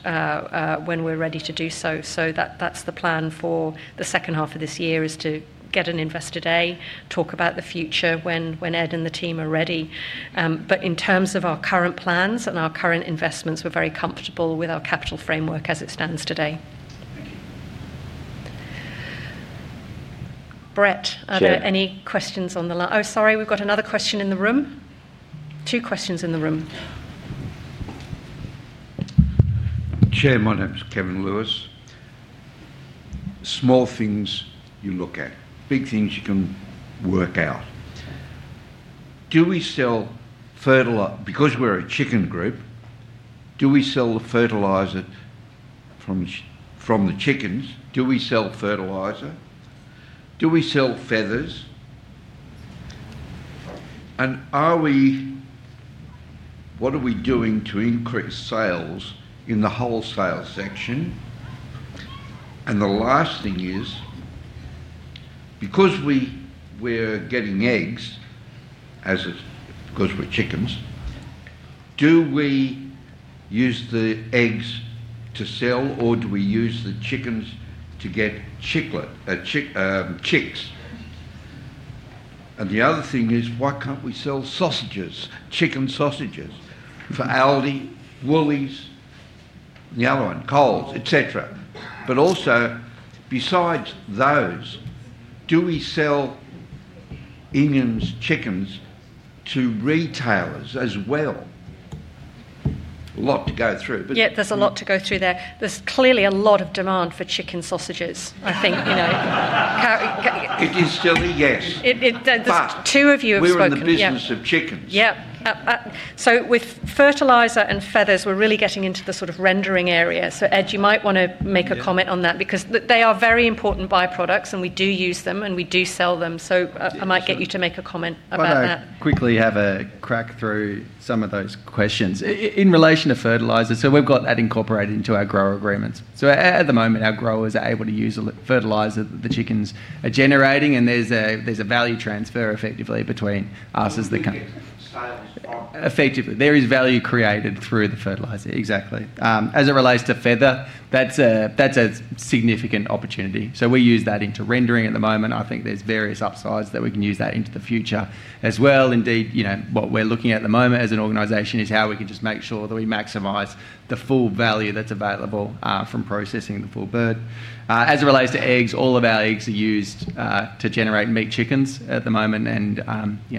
when we're ready to do so. That is the plan for the second half of this year, to get an investor day, talk about the future when Ed and the team are ready. In terms of our current plans and our current investments, we're very comfortable with our capital framework as it stands today. Thank you. Brett, are there any questions on the line? Oh, sorry. We've got another question in the room. Two questions in the room. Chair, my name's Kevin Lewis. Small things you look at. Big things you can work out. Do we sell fertilizer because we're a chicken group? Do we sell the fertilizer from the chickens? Do we sell fertilizer? Do we sell feathers? What are we doing to increase sales in the wholesale section? The last thing is, because we're getting eggs because we're chickens, do we use the eggs to sell, or do we use the chickens to get chicks? The other thing is, why can't we sell sausages, chicken sausages for Aldi, Woolworths, the other one, Coles, etc.? Also, besides those, do we sell Inghams' chickens to retailers as well? A lot to go through. Yeah, there's a lot to go through there. There's clearly a lot of demand for chicken sausages, I think. It is still a yes. Two of you have spoken to. We're in the business of chickens. Yeah. With fertilizer and feathers, we're really getting into the sort of rendering area. Ed, you might want to make a comment on that because they are very important byproducts, and we do use them, and we do sell them. I might get you to make a comment about that. Can I quickly have a crack through some of those questions? In relation to fertilizer, we have that incorporated into our grower agreements. At the moment, our growers are able to use the fertilizer that the chickens are generating, and there is a value transfer effectively between us as the company. Effectively. There is value created through the fertilizer. Exactly. As it relates to feather, that's a significant opportunity. We use that into rendering at the moment. I think there are various upsides that we can use that into the future as well. Indeed, what we are looking at at the moment as an organization is how we can just make sure that we maximize the full value that is available from processing the full bird. As it relates to eggs, all of our eggs are used to generate meat chickens at the moment, and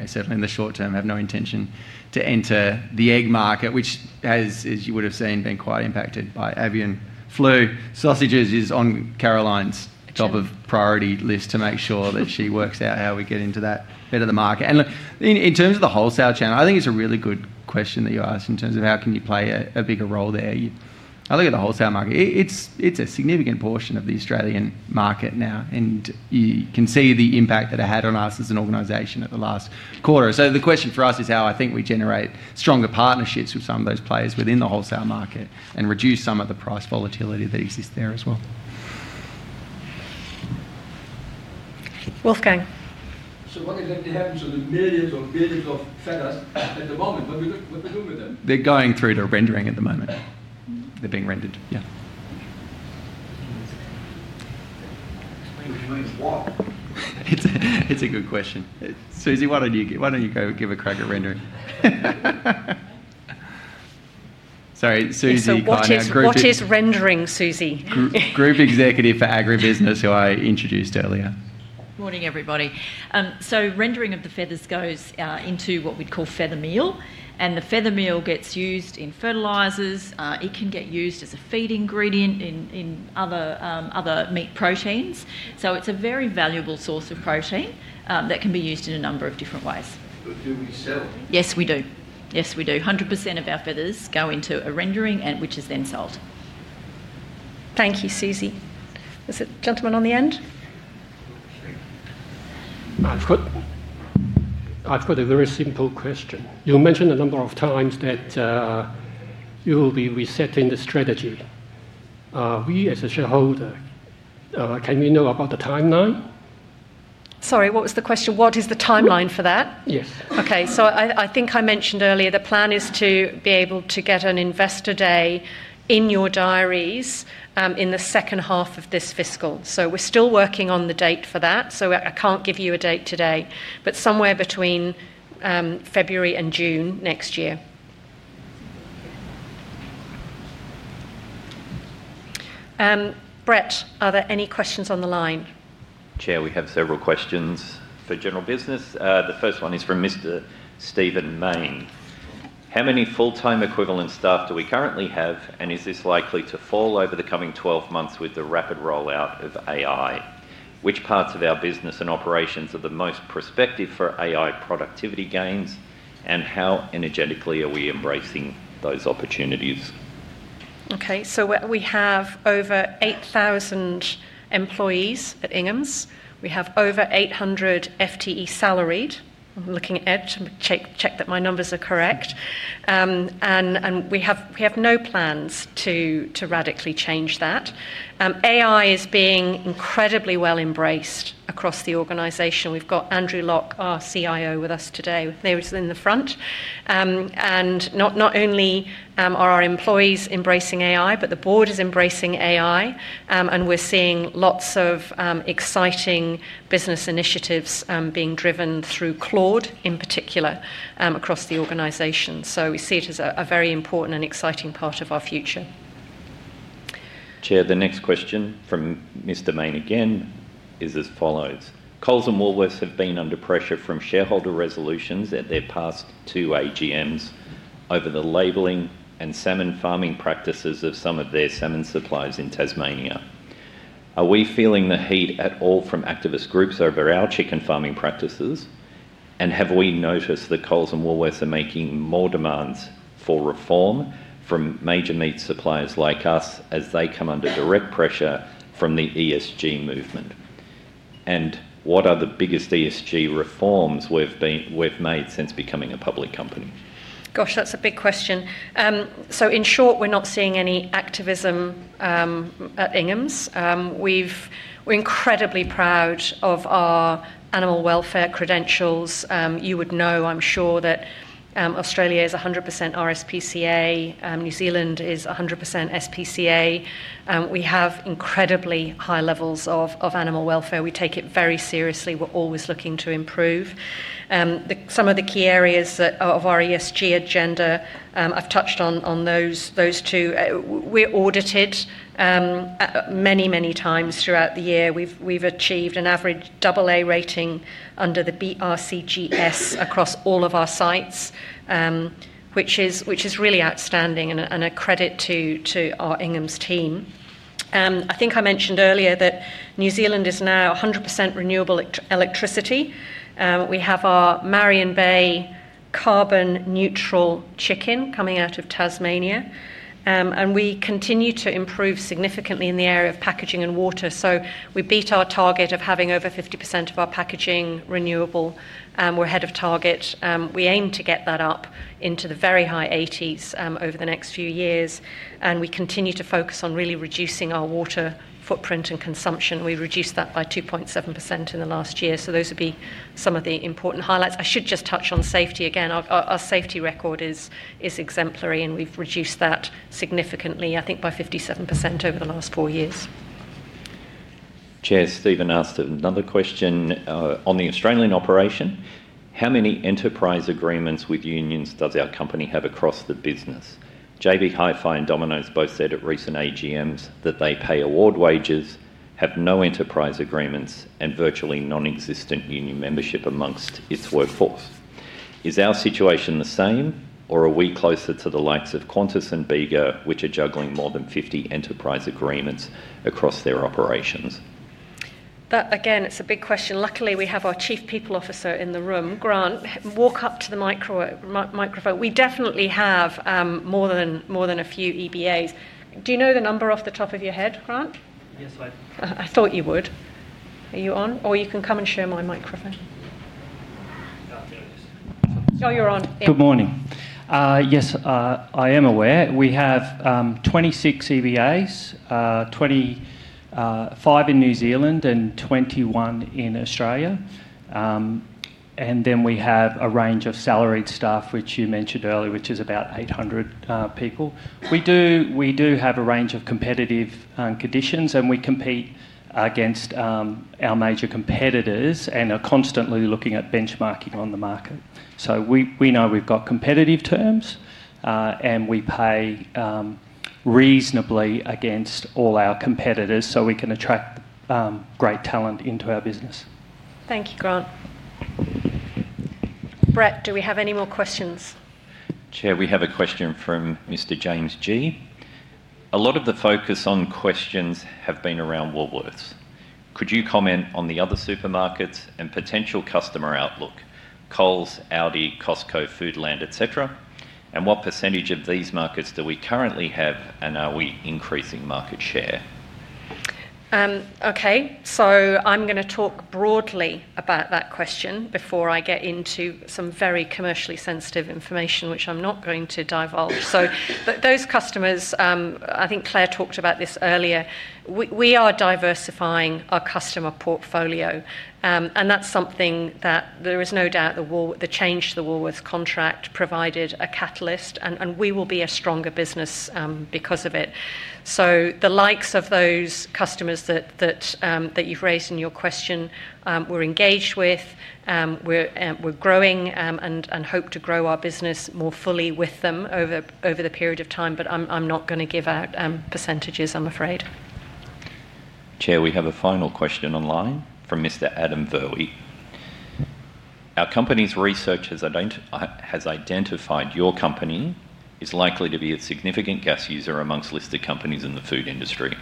certainly in the short term, we have no intention to enter the egg market, which has, as you would have seen, been quite impacted by avian flu. Sausages is on Caroline's top of priority list to make sure that she works out how we get into that bit of the market. Look, in terms of the wholesale channel, I think it's a really good question that you asked in terms of how can you play a bigger role there. I look at the wholesale market. It's a significant portion of the Australian market now, and you can see the impact that it had on us as an organization at the last quarter. The question for us is how I think we generate stronger partnerships with some of those players within the wholesale market and reduce some of the price volatility that exists there as well. Wolfgang. What is happening to the millions or billions of feathers at the moment? What are we doing with them? They're going through to rendering at the moment. They're being rendered. Yeah. It's a good question. Susie, why don't you give a crack at rendering? Sorry. Susie Klein. What is rendering, Susie? Group Executive for Agribusiness who I introduced earlier. Morning, everybody. Rendering of the feathers goes into what we'd call feather meal, and the feather meal gets used in fertilizers. It can get used as a feed ingredient in other meat proteins. It is a very valuable source of protein that can be used in a number of different ways. Do we sell? Yes, we do. 100% of our feathers go into a rendering, which is then sold. Thank you, Susie. There's a gentleman on the end. I've got a very simple question. You mentioned a number of times that you will be resetting the strategy. We, as a shareholder, can we know about the timeline? Sorry, what was the question? What is the timeline for that? Yes. Okay. I think I mentioned earlier the plan is to be able to get an investor day in your diaries in the second half of this fiscal. We're still working on the date for that, so I can't give you a date today, but somewhere between February and June next year. Brett, are there any questions on the line? Chair, we have several questions for General Business. The first one is from Mr. Stephen Maine. How many full-time equivalent staff do we currently have, and is this likely to fall over the coming 12 months with the rapid rollout of AI? Which parts of our business and operations are the most prospective for AI productivity gains, and how energetically are we embracing those opportunities? Okay. We have over 8,000 employees at Inghams. We have over 800 FTE salaried. I'm looking at it to check that my numbers are correct. We have no plans to radically change that. AI is being incredibly well embraced across the organization. We've got Andrew Locke, our CIO, with us today. There he is in the front. Not only are our employees embracing AI, but the board is embracing AI, and we're seeing lots of exciting business initiatives being driven through Claude in particular across the organization. We see it as a very important and exciting part of our future. Chair, the next question from Mr. Maine again is as follows. Coles and Woolworths have been under pressure from shareholder resolutions at their past two AGMs over the labeling and salmon farming practices of some of their salmon suppliers in Tasmania. Are we feeling the heat at all from activist groups over our chicken farming practices, and have we noticed that Coles and Woolworths are making more demands for reform from major meat suppliers like us as they come under direct pressure from the ESG movement? What are the biggest ESG reforms we've made since becoming a public company? Gosh, that's a big question. In short, we're not seeing any activism at Inghams. We're incredibly proud of our animal welfare credentials. You would know, I'm sure, that Australia is 100% RSPCA. New Zealand is 100% SPCA. We have incredibly high levels of animal welfare. We take it very seriously. We're always looking to improve. Some of the key areas of our ESG agenda, I've touched on those two. We're audited many times throughout the year. We've achieved an average AA rating under the BRCGS across all of our sites, which is really outstanding and a credit to our Inghams team. I think I mentioned earlier that New Zealand is now 100% renewable electricity. We have our Marion Bay carbon-neutral chicken coming out of Tasmania, and we continue to improve significantly in the area of packaging and water. We beat our target of having over 50% of our packaging renewable. We're ahead of target. We aim to get that up into the very high 80% over the next few years. We continue to focus on really reducing our water footprint and consumption. We reduced that by 2.7% in the last year. Those would be some of the important highlights. I should just touch on safety again. Our safety record is exemplary, and we've reduced that significantly, I think, by 57% over the last four years. Chair, Stephen asked another question. On the Australian operation, how many enterprise agreements with unions does our company have across the business? JB Hi-Fi and Domino's both said at recent AGMs that they pay award wages, have no enterprise agreements, and virtually non-existent union membership amongst its workforce. Is our situation the same, or are we closer to the likes of Qantas and Baiada, which are juggling more than 50 enterprise agreements across their operations? Again, it's a big question. Luckily, we have our Chief People Officer in the room. Grant, walk up to the microphone. We definitely have more than a few EBAs. Do you know the number off the top of your head, Grant? Yes, I do. I thought you would. Are you on? Or you can come and share my microphone. Oh, you're on. Good morning. Yes, I am aware. We have 26 EBAs, 5 in New Zealand and 21 in Australia. Then we have a range of salaried staff, which you mentioned earlier, which is about 800 people. We do have a range of competitive conditions, and we compete against our major competitors and are constantly looking at benchmarking on the market. We know we have competitive terms, and we pay reasonably against all our competitors so we can attract great talent into our business. Thank you, Grant. Brett, do we have any more questions? Chair, we have a question from Mr. James Gee. A lot of the focus on questions has been around Woolworths. Could you comment on the other supermarkets and potential customer outlook, Coles, ALDI, Costco, Foodland, etc., and what percentage of these markets do we currently have, and are we increasing market share? Okay. I'm going to talk broadly about that question before I get into some very commercially sensitive information, which I'm not going to divulge. Those customers, I think Clare talked about this earlier, we are diversifying our customer portfolio, and that's something that there is no doubt the change to the Woolworths contract provided a catalyst, and we will be a stronger business because of it. The likes of those customers that you've raised in your question we're engaged with, we're growing and hope to grow our business more fully with them over the period of time, but I'm not going to give out percentages, I'm afraid. Chair, we have a final question online from Mr. Adam Verwy. Our company's research has identified your company is likely to be a significant gas user amongst listed companies in the food industry.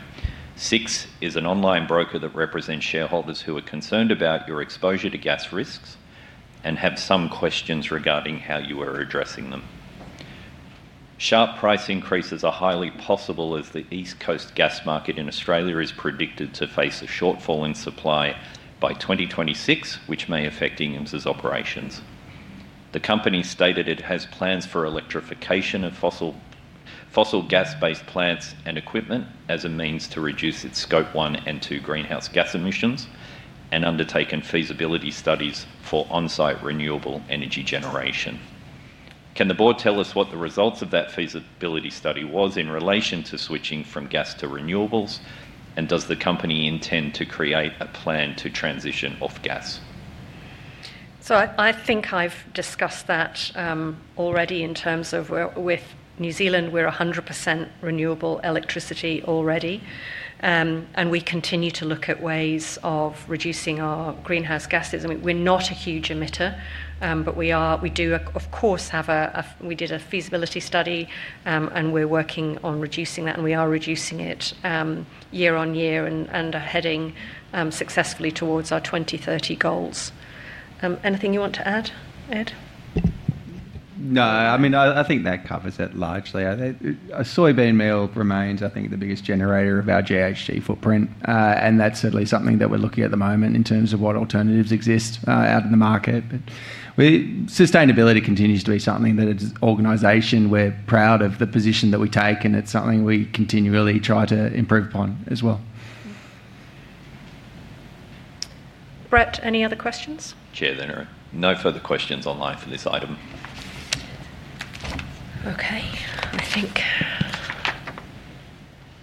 SIX is an online broker that represents shareholders who are concerned about your exposure to gas risks and have some questions regarding how you are addressing them. Sharp price increases are highly possible as the East Coast gas market in Australia is predicted to face a shortfall in supply by 2026, which may affect Inghams' operations. The company stated it has plans for electrification of fossil gas-based plants and equipment as a means to reduce its Scope 1 and 2 greenhouse gas emissions and undertaken feasibility studies for on-site renewable energy generation. Can the board tell us what the results of that feasibility study was in relation to switching from gas to renewables, and does the company intend to create a plan to transition off gas? I think I have discussed that already in terms of with New Zealand, we are 100% renewable electricity already, and we continue to look at ways of reducing our greenhouse gases. I mean, we are not a huge emitter, but we do, of course, have a—we did a feasibility study, and we are working on reducing that, and we are reducing it year on year and are heading successfully towards our 2030 goals. Anything you want to add, Ed? No. I mean, I think that covers it largely. Soybean meal remains, I think, the biggest generator of our GHG footprint, and that's certainly something that we're looking at at the moment in terms of what alternatives exist out in the market. Sustainability continues to be something that, as an organization, we're proud of the position that we take, and it's something we continually try to improve upon as well. Brett, any other questions? Chair, then no further questions online for this item. Okay. I think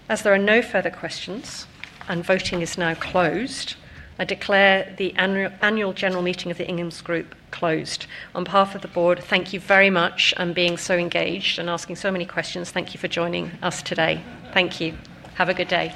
as there are no further questions and voting is now closed, I declare the annual general meeting of the Inghams Group closed. On behalf of the board, thank you very much for being so engaged and asking so many questions. Thank you for joining us today. Thank you. Have a good day.